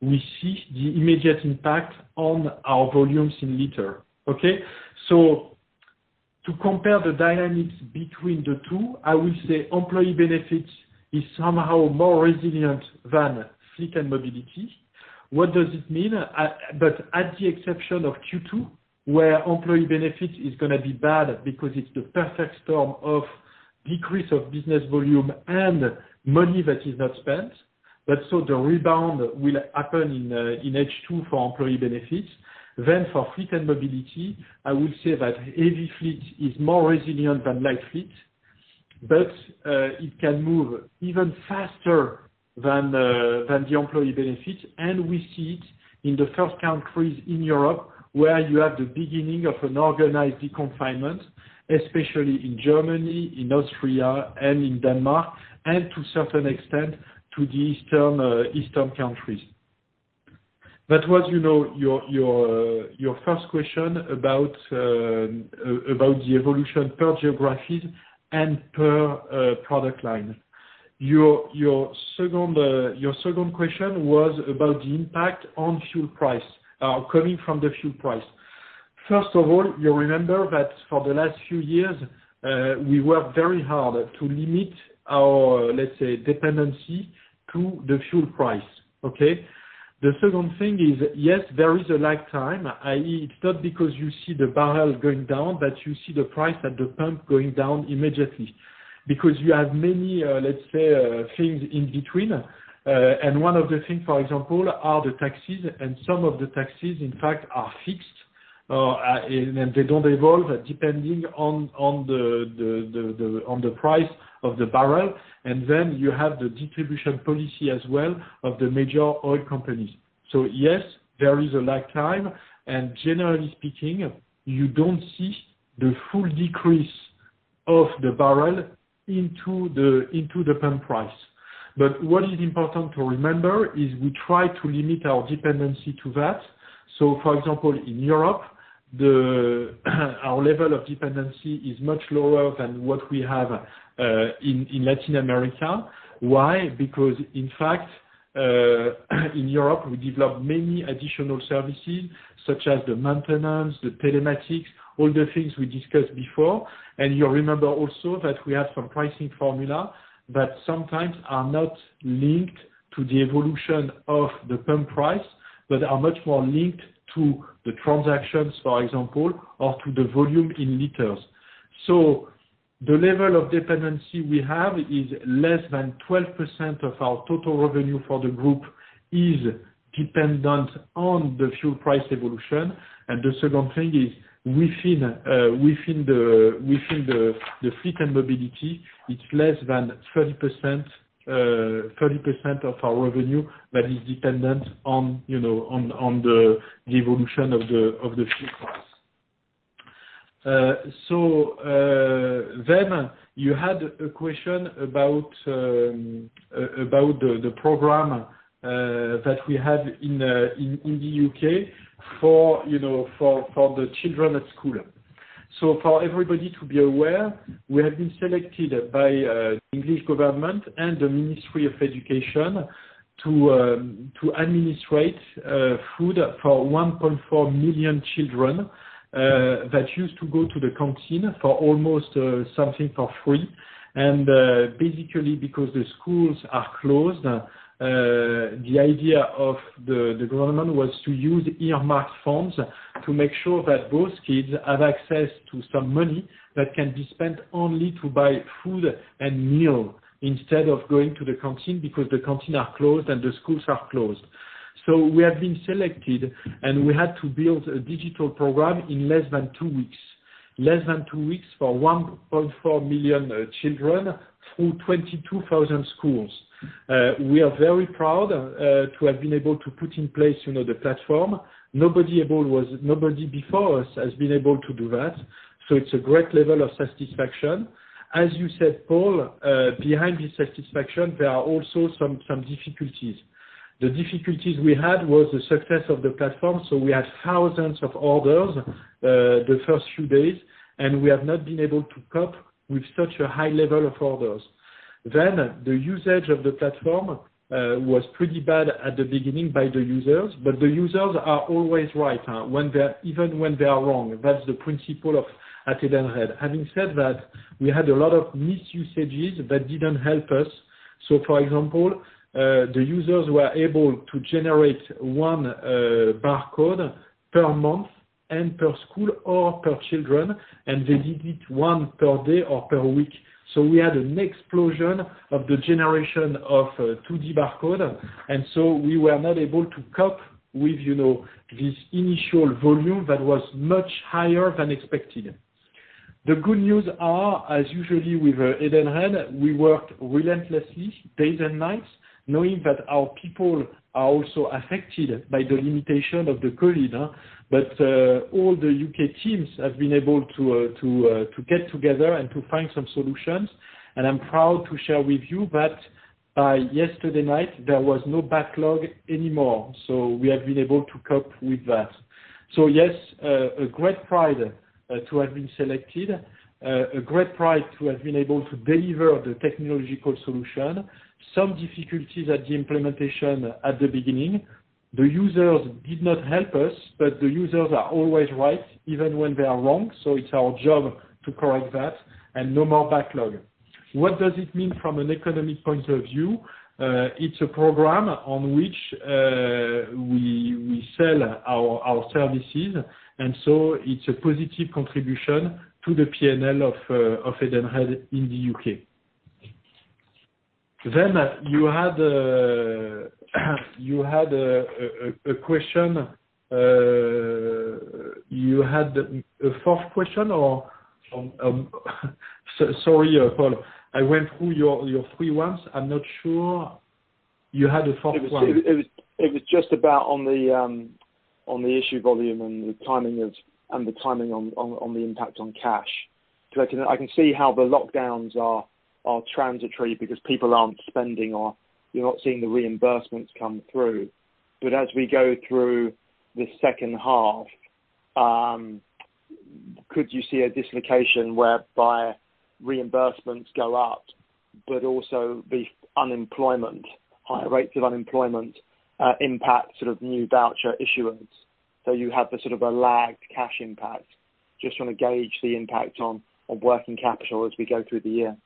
we see the immediate impact on our volumes in liter. Okay? To compare the dynamics between the two, I will say employee benefits is somehow more resilient than fleet and mobility. What does it mean? But at the exception of Q2, where employee benefits is going to be bad because it's the perfect storm of decrease of business volume and money that is not spent, but so the rebound will happen in H2 for employee benefits. Then for fleet and mobility, I will say that heavy fleet is more resilient than light fleet, but it can move even faster than the employee benefits. And we see it in the first countries in Europe where you have the beginning of an organized deconfinement, especially in Germany, in Austria, and in Denmark, and to a certain extent to the Eastern countries. That was your first question about the evolution per geographies and per product line. Your second question was about the impact on fuel price coming from the fuel price. First of all, you remember that for the last few years, we worked very hard to limit our, let's say, dependency to the fuel price. Okay? The second thing is, yes, there is a lag time, i.e., it's not because you see the barrel going down, but you see the price at the pump going down immediately because you have many, let's say, things in between. And one of the things, for example, are the taxes, and some of the taxes, in fact, are fixed, and they don't evolve depending on the price of the barrel. And then you have the distribution policy as well of the major oil companies. So yes, there is a lag time. And generally speaking, you don't see the full decrease of the barrel into the pump price. But what is important to remember is we try to limit our dependency to that. So for example, in Europe, our level of dependency is much lower than what we have in Latin America. Why? Because, in fact, in Europe, we developed many additional services such as the maintenance, the telematics, all the things we discussed before. And you remember also that we have some pricing formula that sometimes are not linked to the evolution of the pump price, but are much more linked to the transactions, for example, or to the volume in liters. So the level of dependency we have is less than 12% of our total revenue for the group is dependent on the fuel price evolution. And the second thing is within the fleet and mobility, it's less than 30% of our revenue that is dependent on the evolution of the fuel price. So then you had a question about the program that we have in the U.K. for the children at school. So for everybody to be aware, we have been selected by the English government and the Ministry of Education to administrate food for 1.4 million children that used to go to the canteen for almost something for free. And basically, because the schools are closed, the idea of the government was to use earmarked funds to make sure that those kids have access to some money that can be spent only to buy food and meal instead of going to the canteen because the canteen are closed and the schools are closed. So we have been selected, and we had to build a digital program in less than two weeks, less than two weeks for 1.4 million children through 22,000 schools. We are very proud to have been able to put in place the platform. Nobody before us has been able to do that. So it's a great level of satisfaction. As you said, Paul, behind this satisfaction, there are also some difficulties. The difficulties we had was the success of the platform. So we had thousands of orders the first few days, and we have not been able to cope with such a high level of orders. Then the usage of the platform was pretty bad at the beginning by the users, but the users are always right even when they are wrong. That's the principle of Edenred. Having said that, we had a lot of misusages that didn't help us. So for example, the users were able to generate one barcode per month and per school or per children, and they did it one per day or per week. We had an explosion of the generation of 2D barcode. And so we were not able to cope with this initial volume that was much higher than expected. The good news are, as usually with Edenred, we worked relentlessly, day and night, knowing that our people are also affected by the limitation of the COVID. But all the U.K. teams have been able to get together and to find some solutions. And I'm proud to share with you that by yesterday night, there was no backlog anymore. So we have been able to cope with that. So yes, a great pride to have been selected, a great pride to have been able to deliver the technological solution. Some difficulties at the implementation at the beginning. The users did not help us, but the users are always right even when they are wrong. So it's our job to correct that and no more backlog. What does it mean from an economic point of view? It's a program on which we sell our services, and so it's a positive contribution to the P&L of Edenred in the U.K. Then you had a question. You had a fourth question or sorry, Paul. I went through your three ones. I'm not sure you had a fourth one. It was just about on the issue volume and the timing on the impact on cash. I can see how the lockdowns are transitory because people aren't spending or you're not seeing the reimbursements come through. But as we go through the second half, could you see a dislocation whereby reimbursements go up, but also the unemployment, higher rates of unemployment impact sort of new voucher issuers? You have sort of a lagged cash impact just trying to gauge the impact on working capital as we go through the year.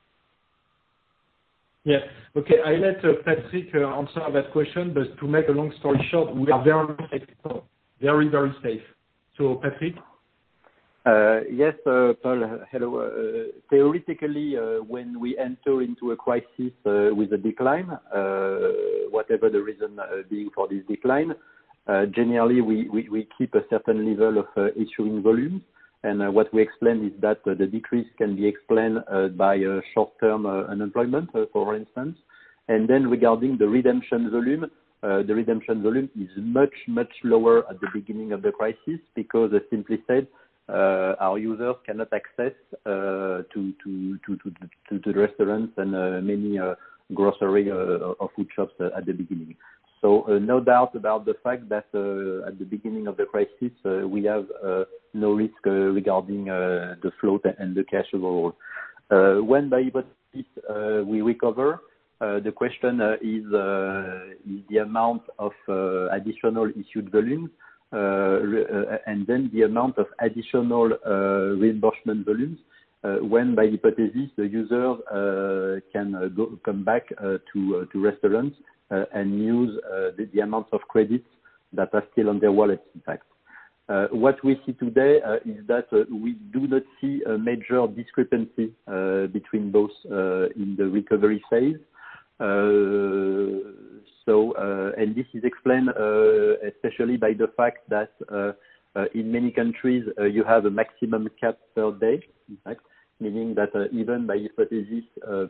Yeah. Okay. I'll let Patrick answer that question, but to make a long story short, we are very safe. Very, very safe. So Patrick? Yes, Paul. Hello. Theoretically, when we enter into a crisis with a decline, whatever the reason being for this decline, generally, we keep a certain level of issuing volume. And what we explained is that the decrease can be explained by short-term unemployment, for instance. And then regarding the redemption volume, the redemption volume is much, much lower at the beginning of the crisis because, simply said, our users cannot access to the restaurants and many grocery or food shops at the beginning. So no doubt about the fact that at the beginning of the crisis, we have no risk regarding the float and the cash overall. When by hypothesis, we recover, the question is the amount of additional issued volume and then the amount of additional reimbursement volume when by hypothesis, the users can come back to restaurants and use the amounts of credits that are still on their wallets, in fact. What we see today is that we do not see a major discrepancy between both in the recovery phase. And this is explained especially by the fact that in many countries, you have a maximum cap per day, in fact, meaning that even by hypothesis,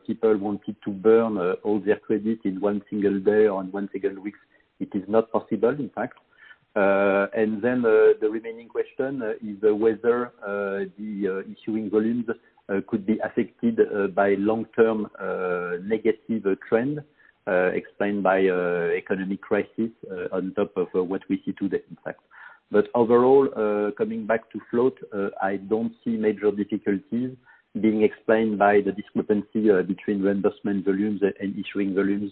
people wanted to burn all their credits in one single day or in one single week. It is not possible, in fact. And then the remaining question is whether the issuing volumes could be affected by long-term negative trend explained by economic crisis on top of what we see today, in fact. But overall, coming back to float, I don't see major difficulties being explained by the discrepancy between reimbursement volumes and issuing volumes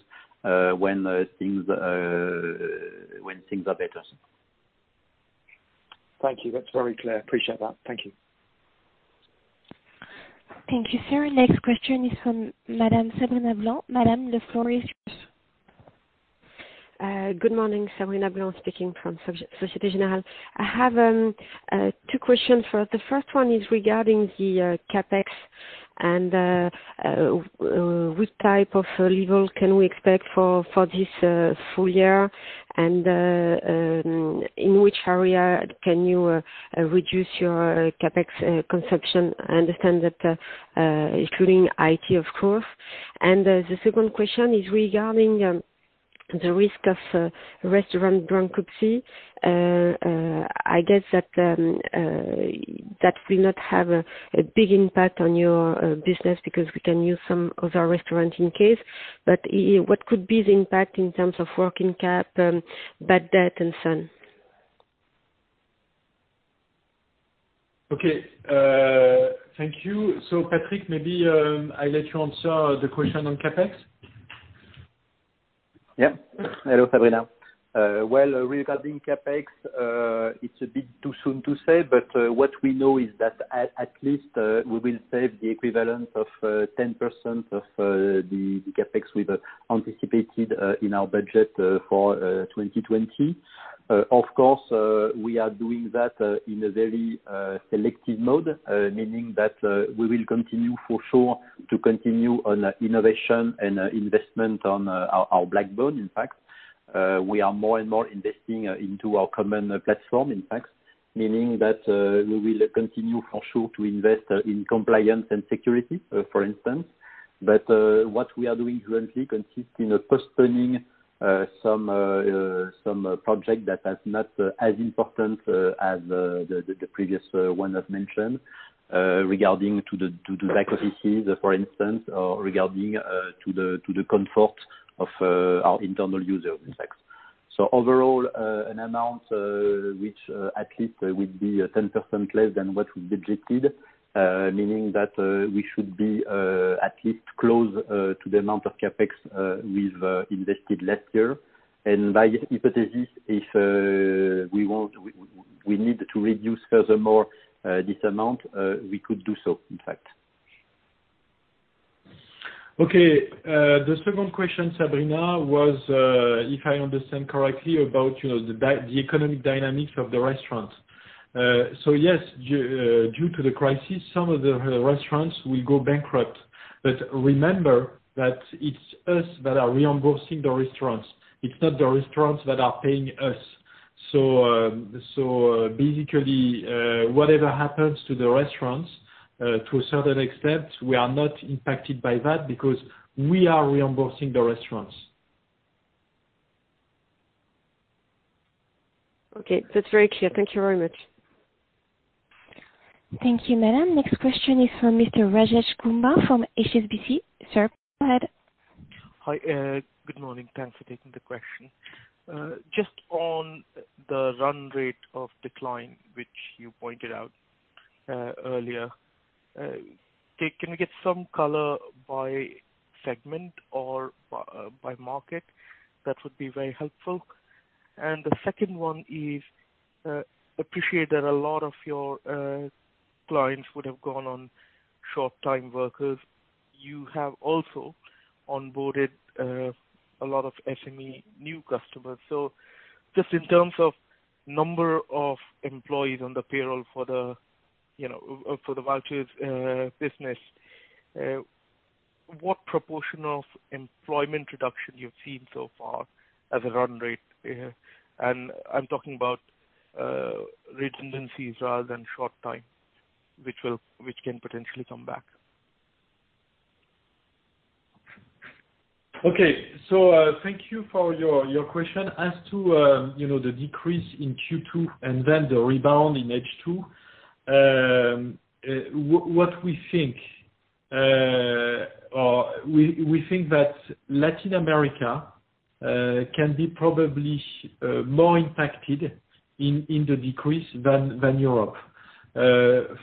when things are better. Thank you. That's very clear. Appreciate that. Thank you. Thank you, sir. Next question is from Madame Sabrina Blanc. Madame, the floor is yours. Good morning. Sabrina Blanc speaking from Société Générale. I have two questions. The first one is regarding the CapEx and what type of level can we expect for this full year and in which area can you reduce your CapEx consumption? I understand that including IT, of course. And the second question is regarding the risk of restaurant bankruptcy. I guess that will not have a big impact on your business because we can use some of our restaurants in case. But what could be the impact in terms of working cap, bad debt, and so on? Okay. Thank you. So Patrick, maybe I let you answer the question on CapEx. Yep. Hello, Sabrina. Well, regarding CapEx, it's a bit too soon to say, but what we know is that at least we will save the equivalent of 10% of the CapEx we've anticipated in our budget for 2020. Of course, we are doing that in a very selective mode, meaning that we will continue for sure to continue on innovation and investment on our platform, in fact. We are more and more investing into our common platform, in fact, meaning that we will continue for sure to invest in compliance and security, for instance. But what we are doing currently consists in postponing some projects that are not as important as the previous one I've mentioned regarding to the back offices, for instance, or regarding to the comfort of our internal users, in fact. So overall, an amount which at least would be 10% less than what we've budgeted, meaning that we should be at least close to the amount of CapEx we've invested last year. And by hypothesis, if we need to reduce furthermore this amount, we could do so, in fact. Okay. The second question, Sabrina, was, if I understand correctly, about the economic dynamics of the restaurants. So yes, due to the crisis, some of the restaurants will go bankrupt. But remember that it's us that are reimbursing the restaurants. It's not the restaurants that are paying us. So basically, whatever happens to the restaurants, to a certain extent, we are not impacted by that because we are reimbursing the restaurants. Okay. That's very clear. Thank you very much. Thank you, Madame. Next question is from Mr. Rajesh Kumar from HSBC. Sir, go ahead. Hi. Good morning. Thanks for taking the question. Just on the run rate of decline, which you pointed out earlier, can we get some color by segment or by market? That would be very helpful. And the second one is, I appreciate that a lot of your clients would have gone on short-time working. You have also onboarded a lot of SME new customers. So just in terms of number of employees on the payroll for the vouchers business, what proportion of employment reduction you've seen so far as a run rate? I'm talking about redundancies rather than short-time, which can potentially come back. Okay. So thank you for your question. As to the decrease in Q2 and then the rebound in H2, what we think that Latin America can be probably more impacted in the decrease than Europe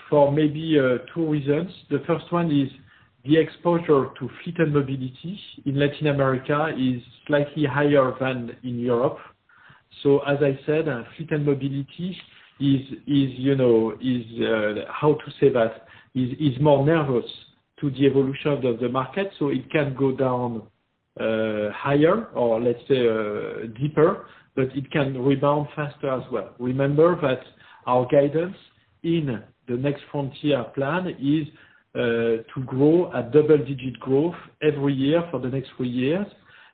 for maybe two reasons. The first one is the exposure to fleet and mobility in Latin America is slightly higher than in Europe. So as I said, fleet and mobility is, how to say that, is more nervous to the evolution of the market. So it can go down higher or, let's say, deeper, but it can rebound faster as well. Remember that our guidance in the Next Frontier plan is to grow a double-digit growth every year for the next three years.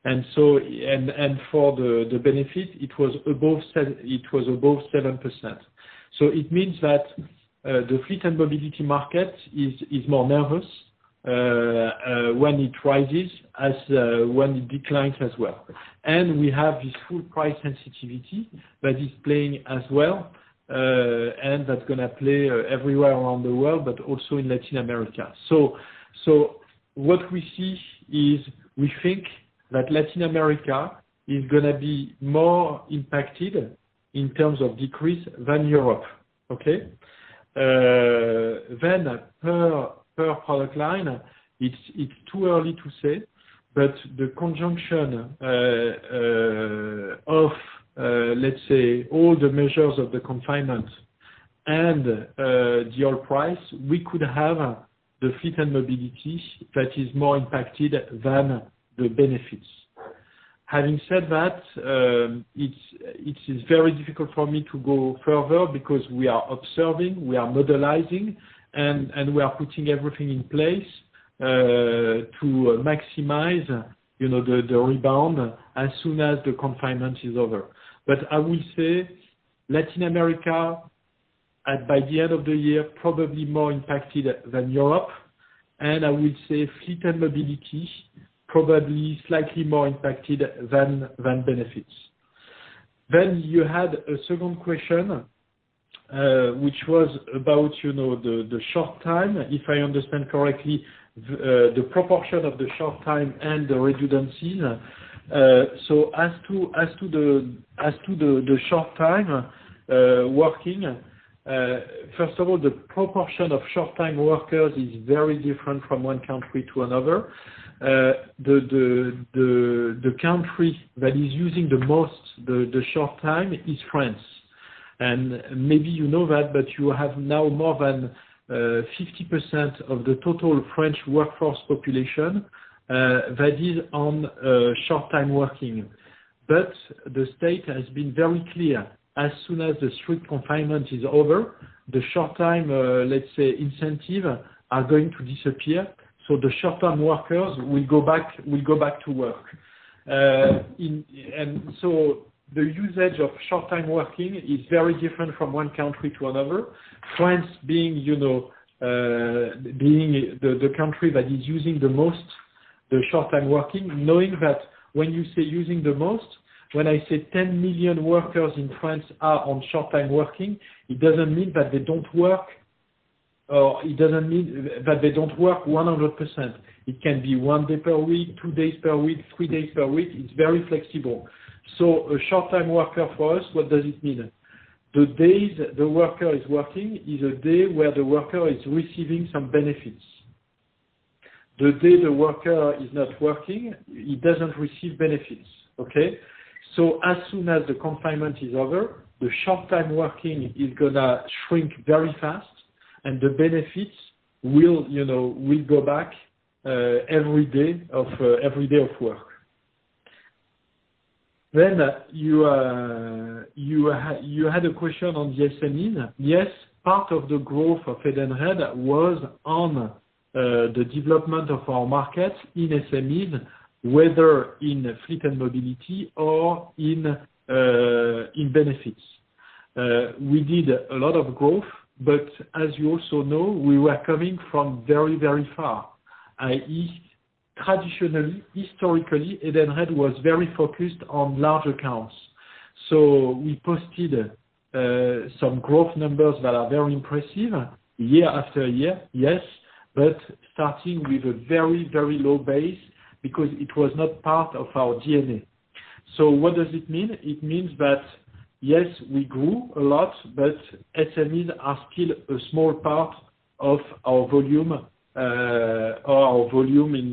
And for the benefit, it was above 7%. So it means that the fleet and mobility market is more nervous when it rises as when it declines as well. And we have this fuel price sensitivity that is playing as well, and that's going to play everywhere around the world, but also in Latin America. So what we see is we think that Latin America is going to be more impacted in terms of decrease than Europe. Okay? Then per product line, it's too early to say, but the conjunction of, let's say, all the measures of the confinement and the oil price, we could have the fleet and mobility that is more impacted than the benefits. Having said that, it is very difficult for me to go further because we are observing, we are mobilizing, and we are putting everything in place to maximize the rebound as soon as the confinement is over. But I will say Latin America, by the end of the year, probably more impacted than Europe. And I will say fleet and mobility probably slightly more impacted than benefits. Then you had a second question, which was about the short-time, if I understand correctly, the proportion of the short-time and the redundancies. So as to the short-time working, first of all, the proportion of short-time workers is very different from one country to another. The country that is using the most the short-time is France. And maybe you know that, but you have now more than 50% of the total French workforce population that is on short-time working. But the state has been very clear. As soon as the strict confinement is over, the short-time, let's say, incentives are going to disappear. So the short-time workers will go back to work. And so the usage of short-time working is very different from one country to another, France being the country that is using the most the short-time working, knowing that when you say using the most, when I say 10 million workers in France are on short-time working, it doesn't mean that they don't work or it doesn't mean that they don't work 100%. It can be one day per week, two days per week, three days per week. It's very flexible. So a short-time worker for us, what does it mean? The day the worker is working is a day where the worker is receiving some benefits. The day the worker is not working, he doesn't receive benefits. Okay? So as soon as the confinement is over, the short-time working is going to shrink very fast, and the benefits will go back every day of work. Then you had a question on the SMEs. Yes, part of the growth of Edenred was on the development of our markets in SMEs, whether in fleet and mobility or in benefits. We did a lot of growth, but as you also know, we were coming from very, very far. I.e., traditionally, historically, Edenred was very focused on large accounts. So we posted some growth numbers that are very impressive year after year, yes, but starting with a very, very low base because it was not part of our DNA. So what does it mean? It means that, yes, we grew a lot, but SMEs are still a small part of our volume or our volume in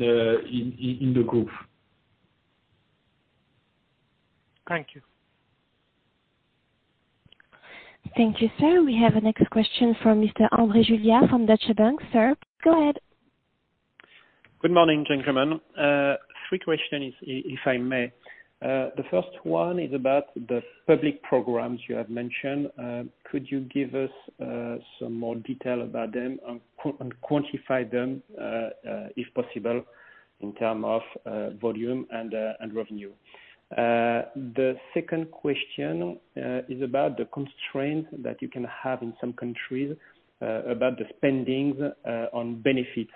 the group. Thank you. Thank you, sir. We have a next question from Mr. André Juillard from Deutsche Bank. Sir, go ahead. Good morning, gentlemen. Three questions, if I may. The first one is about the public programs you have mentioned. Could you give us some more detail about them and quantify them if possible in terms of volume and revenue? The second question is about the constraints that you can have in some countries about the spending on benefits.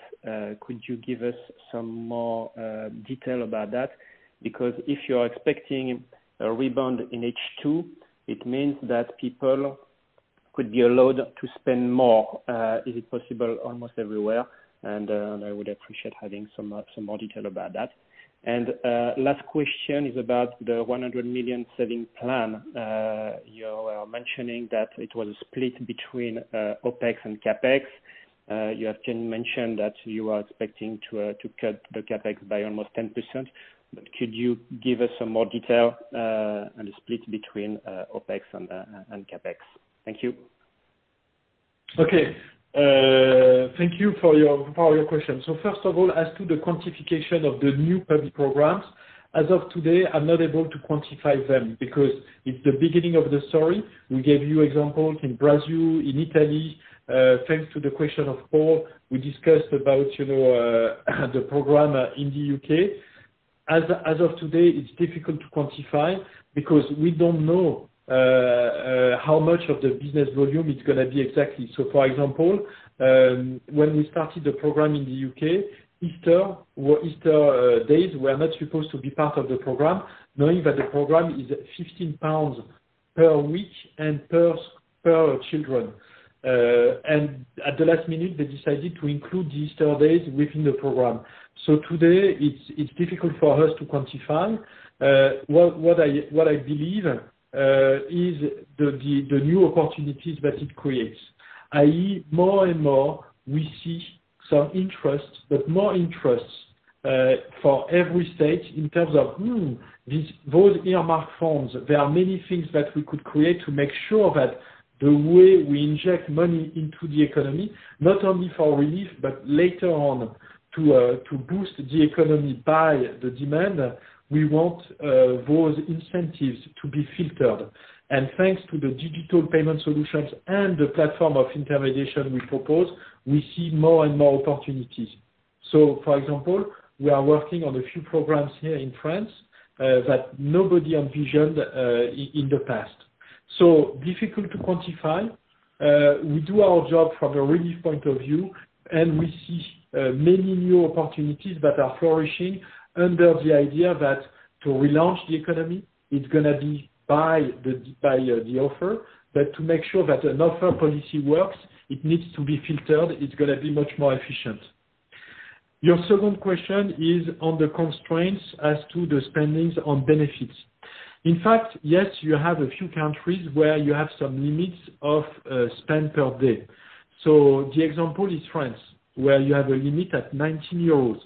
Could you give us some more detail about that? Because if you are expecting a rebound in H2, it means that people could be allowed to spend more. Is it possible almost everywhere? And I would appreciate having some more detail about that. And last question is about the 100 million savings plan. You were mentioning that it was a split between OpEx and CapEx. You have mentioned that you are expecting to cut the CapEx by almost 10%. Could you give us some more detail on the split between OpEx and CapEx? Thank you. Okay. Thank you for your question. So first of all, as to the quantification of the new public programs, as of today, I'm not able to quantify them because it's the beginning of the story. We gave you examples in Brazil, in Italy. Thanks to the question of Paul, we discussed about the program in the U.K. As of today, it's difficult to quantify because we don't know how much of the business volume it's going to be exactly. So for example, when we started the program in the U.K., Easter days were not supposed to be part of the program, knowing that the program is 15 pounds per week and per children. And at the last minute, they decided to include the Easter days within the program. So today, it's difficult for us to quantify. What I believe is the new opportunities that it creates. I.e., more and more, we see some interest, but more interest for every state in terms of, "Those earmarked funds, there are many things that we could create to make sure that the way we inject money into the economy, not only for relief, but later on to boost the economy by the demand, we want those incentives to be filtered," and thanks to the digital payment solutions and the platform of intermediation we propose, we see more and more opportunities, so for example, we are working on a few programs here in France that nobody envisioned in the past, so difficult to quantify. We do our job from a relief point of view, and we see many new opportunities that are flourishing under the idea that to relaunch the economy, it's going to be by the offer. To make sure that an offer policy works, it needs to be filtered. It's going to be much more efficient. Your second question is on the constraints as to the spending on benefits. In fact, yes, you have a few countries where you have some limits of spend per day. So the example is France, where you have a limit at 19 euros.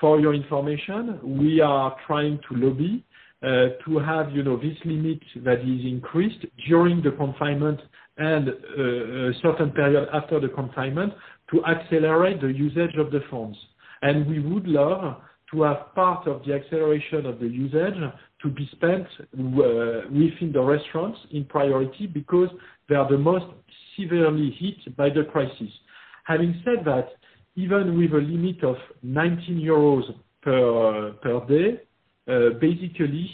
For your information, we are trying to lobby to have this limit that is increased during the confinement and a certain period after the confinement to accelerate the usage of the funds. And we would love to have part of the acceleration of the usage to be spent within the restaurants in priority because they are the most severely hit by the crisis. Having said that, even with a limit of 19 euros per day, basically,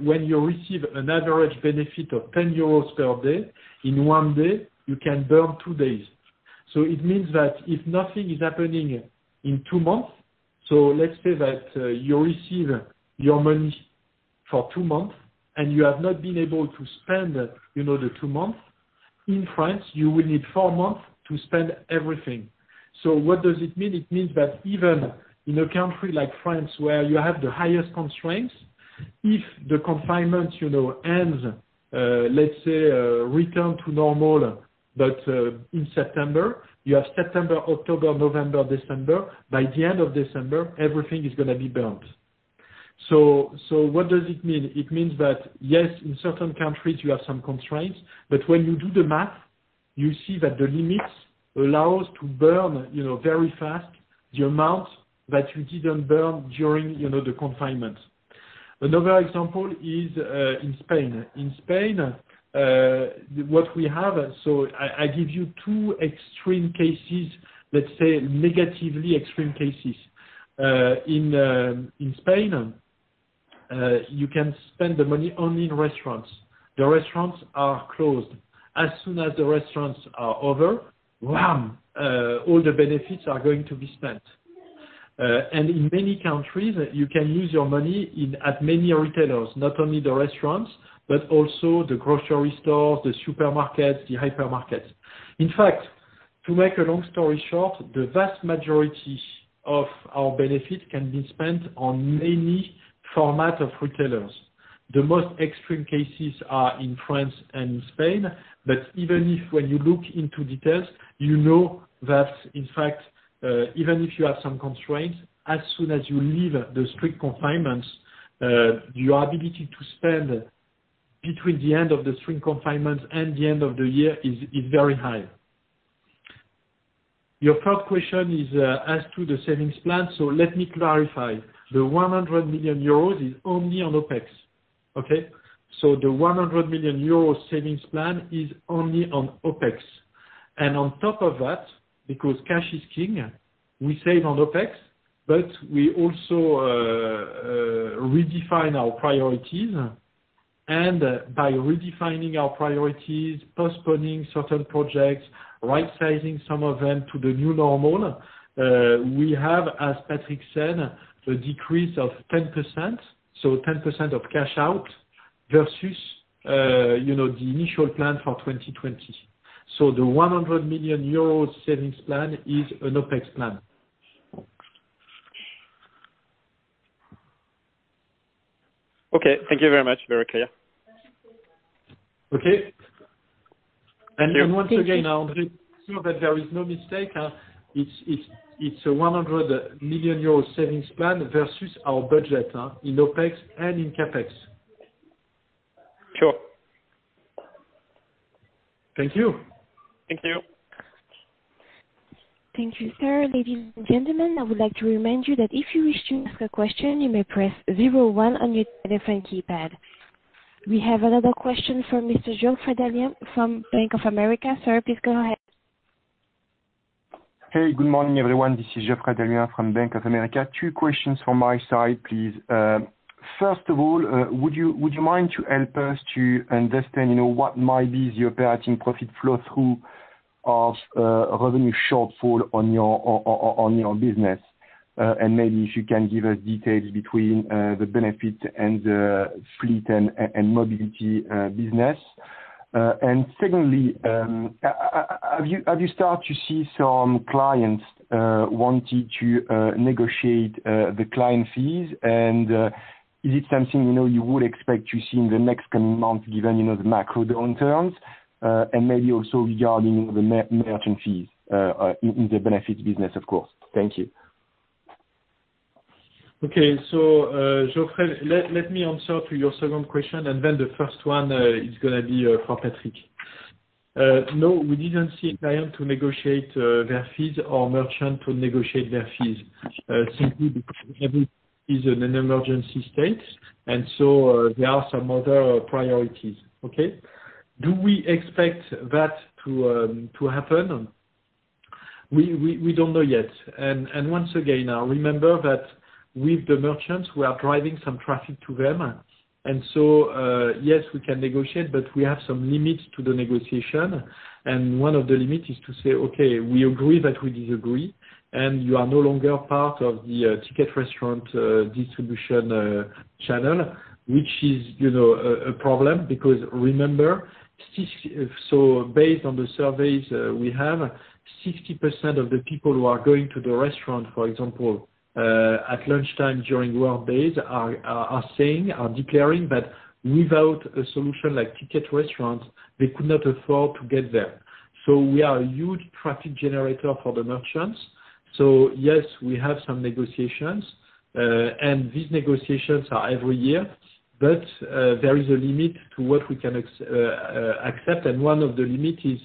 when you receive an average benefit of 10 euros per day, in one day, you can burn two days. So it means that if nothing is happening in two months, so let's say that you receive your money for two months and you have not been able to spend the two months, in France, you will need four months to spend everything. So what does it mean? It means that even in a country like France, where you have the highest constraints, if the confinement ends, let's say, return to normal, but in September, you have September, October, November, December, by the end of December, everything is going to be burnt. So what does it mean? It means that, yes, in certain countries, you have some constraints, but when you do the math, you see that the limits allow us to burn very fast the amount that you didn't burn during the confinement. Another example is in Spain. In Spain, what we have, so I give you two extreme cases, let's say, negatively extreme cases. In Spain, you can spend the money only in restaurants. The restaurants are closed. As soon as the restaurants are open, all the benefits are going to be spent, and in many countries, you can use your money at many retailers, not only the restaurants, but also the grocery stores, the supermarkets, the hypermarkets. In fact, to make a long story short, the vast majority of our benefits can be spent on many formats of retailers. The most extreme cases are in France and in Spain. But even if, when you look into details, you know that, in fact, even if you have some constraints, as soon as you leave the strict confinements, your ability to spend between the end of the strict confinement and the end of the year is very high. Your third question is as to the savings plan. So let me clarify. The 100 million euros is only on OpEx. Okay? So the 100 million euros savings plan is only on OpEx. And on top of that, because cash is king, we save on OpEx, but we also redefine our priorities. And by redefining our priorities, postponing certain projects, right-sizing some of them to the new normal, we have, as Patrick said, a decrease of 10%, so 10% of cash out versus the initial plan for 2020. So the 100 million euro savings plan is an OpEx plan. Okay. Thank you very much, very clear. Okay. Then once again, André, to make sure that there is no mistake, it's a 100 million euro savings plan versus our budget in OpEx and in CapEx. Sure. Thank you. Thank you. Thank you, sir. Ladies and gentlemen, I would like to remind you that if you wish to ask a question, you may press zero one on your telephone keypad. We have another question from Mr. Geoffrey d'Halluin from Bank of America. Sir, please go ahead. Hey, good morning, everyone. This is Geoffrey d'Halluin from Bank of America. Two questions from my side, please. First of all, would you mind to help us to understand what might be the operating profit flow through of revenue shortfall on your business? And maybe if you can give us details between the benefits and the fleet and mobility business. And secondly, have you started to see some clients wanting to negotiate the client fees? And is it something you would expect to see in the next coming months, given the macro downturns? And maybe also regarding the merchant fees in the benefits business, of course. Thank you. Okay. So, Geoffrey, let me answer to your second question, and then the first one is going to be for Patrick. No, we didn't see a client to negotiate their fees or merchant to negotiate their fees. Simply because everything is an emergency state, and so there are some other priorities. Okay? Do we expect that to happen? We don't know yet. And once again, remember that with the merchants, we are driving some traffic to them. And so, yes, we can negotiate, but we have some limits to the negotiation. One of the limits is to say, "Okay, we agree that we disagree, and you are no longer part of the Ticket Restaurant distribution channel," which is a problem because, remember, based on the surveys we have, 60% of the people who are going to the restaurant, for example, at lunchtime during workdays, are saying, are declaring that without a solution like Ticket Restaurants, they could not afford to get there. So we are a huge traffic generator for the merchants. So yes, we have some negotiations, and these negotiations are every year, but there is a limit to what we can accept. One of the limits is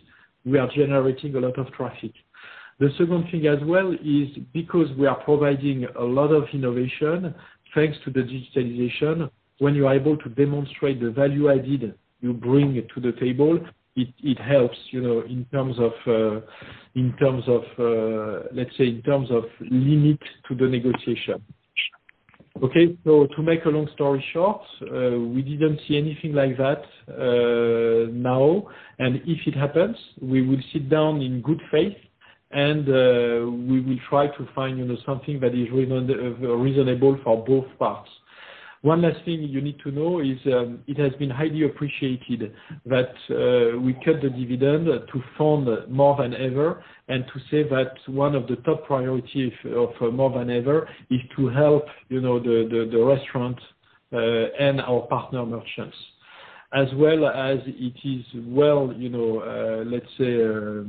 we are generating a lot of traffic. The second thing as well is because we are providing a lot of innovation thanks to the digitalization, when you are able to demonstrate the value added you bring to the table, it helps in terms of, let's say, in terms of limit to the negotiation. Okay? So to make a long story short, we didn't see anything like that now. And if it happens, we will sit down in good faith, and we will try to find something that is reasonable for both parts. One last thing you need to know is it has been highly appreciated that we cut the dividend to fund More Than Ever and to say that one of the top priorities of More Than Ever is to help the restaurants and our partner merchants, as well as it is well, let's say,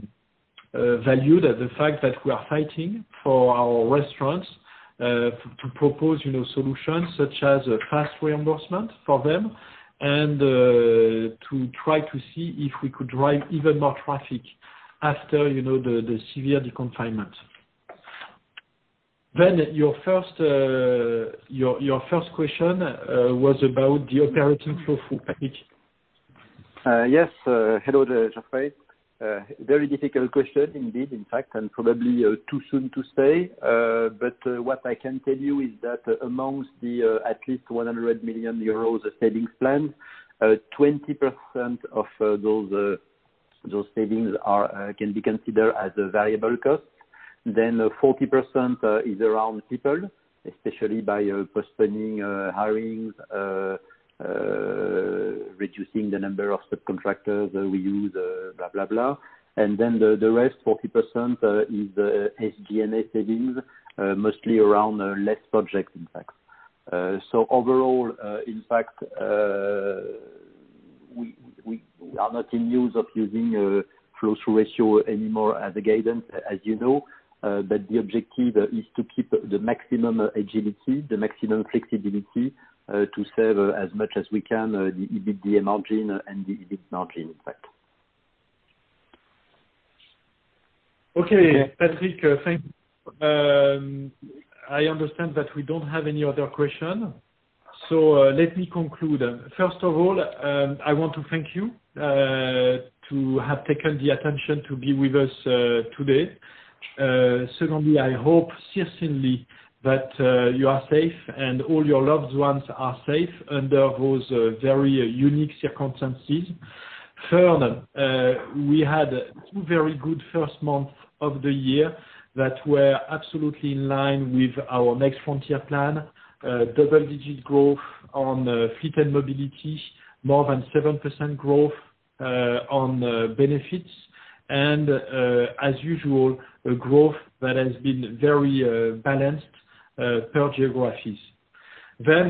valued at the fact that we are fighting for our restaurants to propose solutions such as a fast reimbursement for them and to try to see if we could drive even more traffic after the severe deconfinement. Then, your first question was about the operating flow for Patrick. Yes. Hello, Geoffrey. Very difficult question indeed, in fact, and probably too soon to say. But what I can tell you is that among the at least 100 million euros savings plan, 20% of those savings can be considered as variable costs. Then 40% is around people, especially by postponing hirings, reducing the number of subcontractors we use, blah, blah, blah. And then the rest, 40% is SG&A savings, mostly around less projects, in fact. So overall, in fact, we are not in use of using flow-through ratio anymore as a guidance, as you know, but the objective is to keep the maximum agility, the maximum flexibility to save as much as we can, the EBITDA margin and the EBIT margin, in fact. Okay. Patrick, thank you. I understand that we don't have any other questions. So let me conclude. First of all, I want to thank you to have taken the attention to be with us today. Secondly, I hope sincerely that you are safe and all your loved ones are safe under those very unique circumstances. Third, we had two very good first months of the year that were absolutely in line with our Next Frontier plan, double-digit growth on fleet and mobility, more than 7% growth on benefits, and, as usual, a growth that has been very balanced per geographies. Then,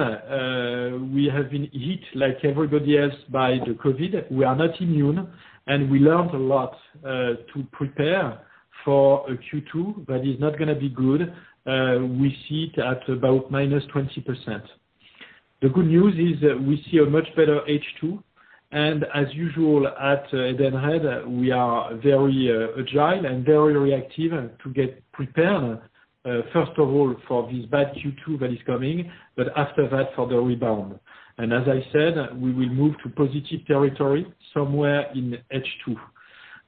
we have been hit like everybody else by the COVID. We are not immune, and we learned a lot to prepare for a Q2 that is not going to be good. We see it at about -20%. The good news is we see a much better H2. And as usual at Edenred, we are very agile and very reactive to get prepared, first of all, for this bad Q2 that is coming, but after that, for the rebound. And as I said, we will move to positive territory somewhere in H2.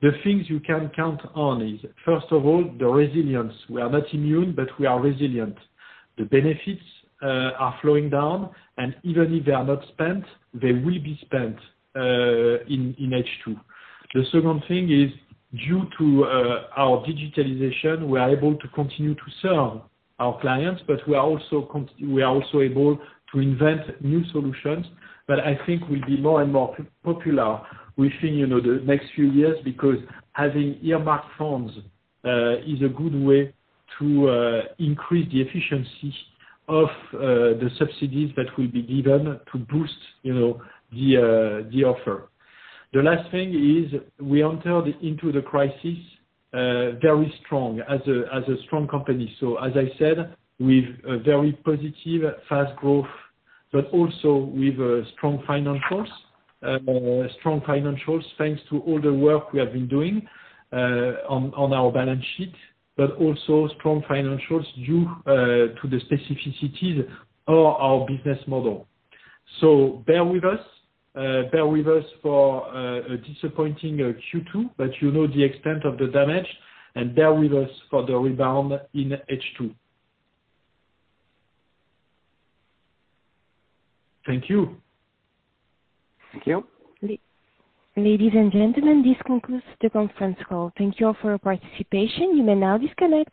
The things you can count on is, first of all, the resilience. We are not immune, but we are resilient. The benefits are flowing down, and even if they are not spent, they will be spent in H2. The second thing is, due to our digitalization, we are able to continue to serve our clients, but we are also able to invent new solutions that I think will be more and more popular within the next few years because having earmarked funds is a good way to increase the efficiency of the subsidies that will be given to boost the offer. The last thing is we entered into the crisis very strong as a strong company. So as I said, we've a very positive fast growth, but also we've strong financials, strong financials thanks to all the work we have been doing on our balance sheet, but also strong financials due to the specificities of our business model. So bear with us, bear with us for a disappointing Q2, but you know the extent of the damage, and bear with us for the rebound in H2. Thank you. Thank you. Ladies and gentlemen, this concludes the conference call. Thank you all for your participation. You may now disconnect.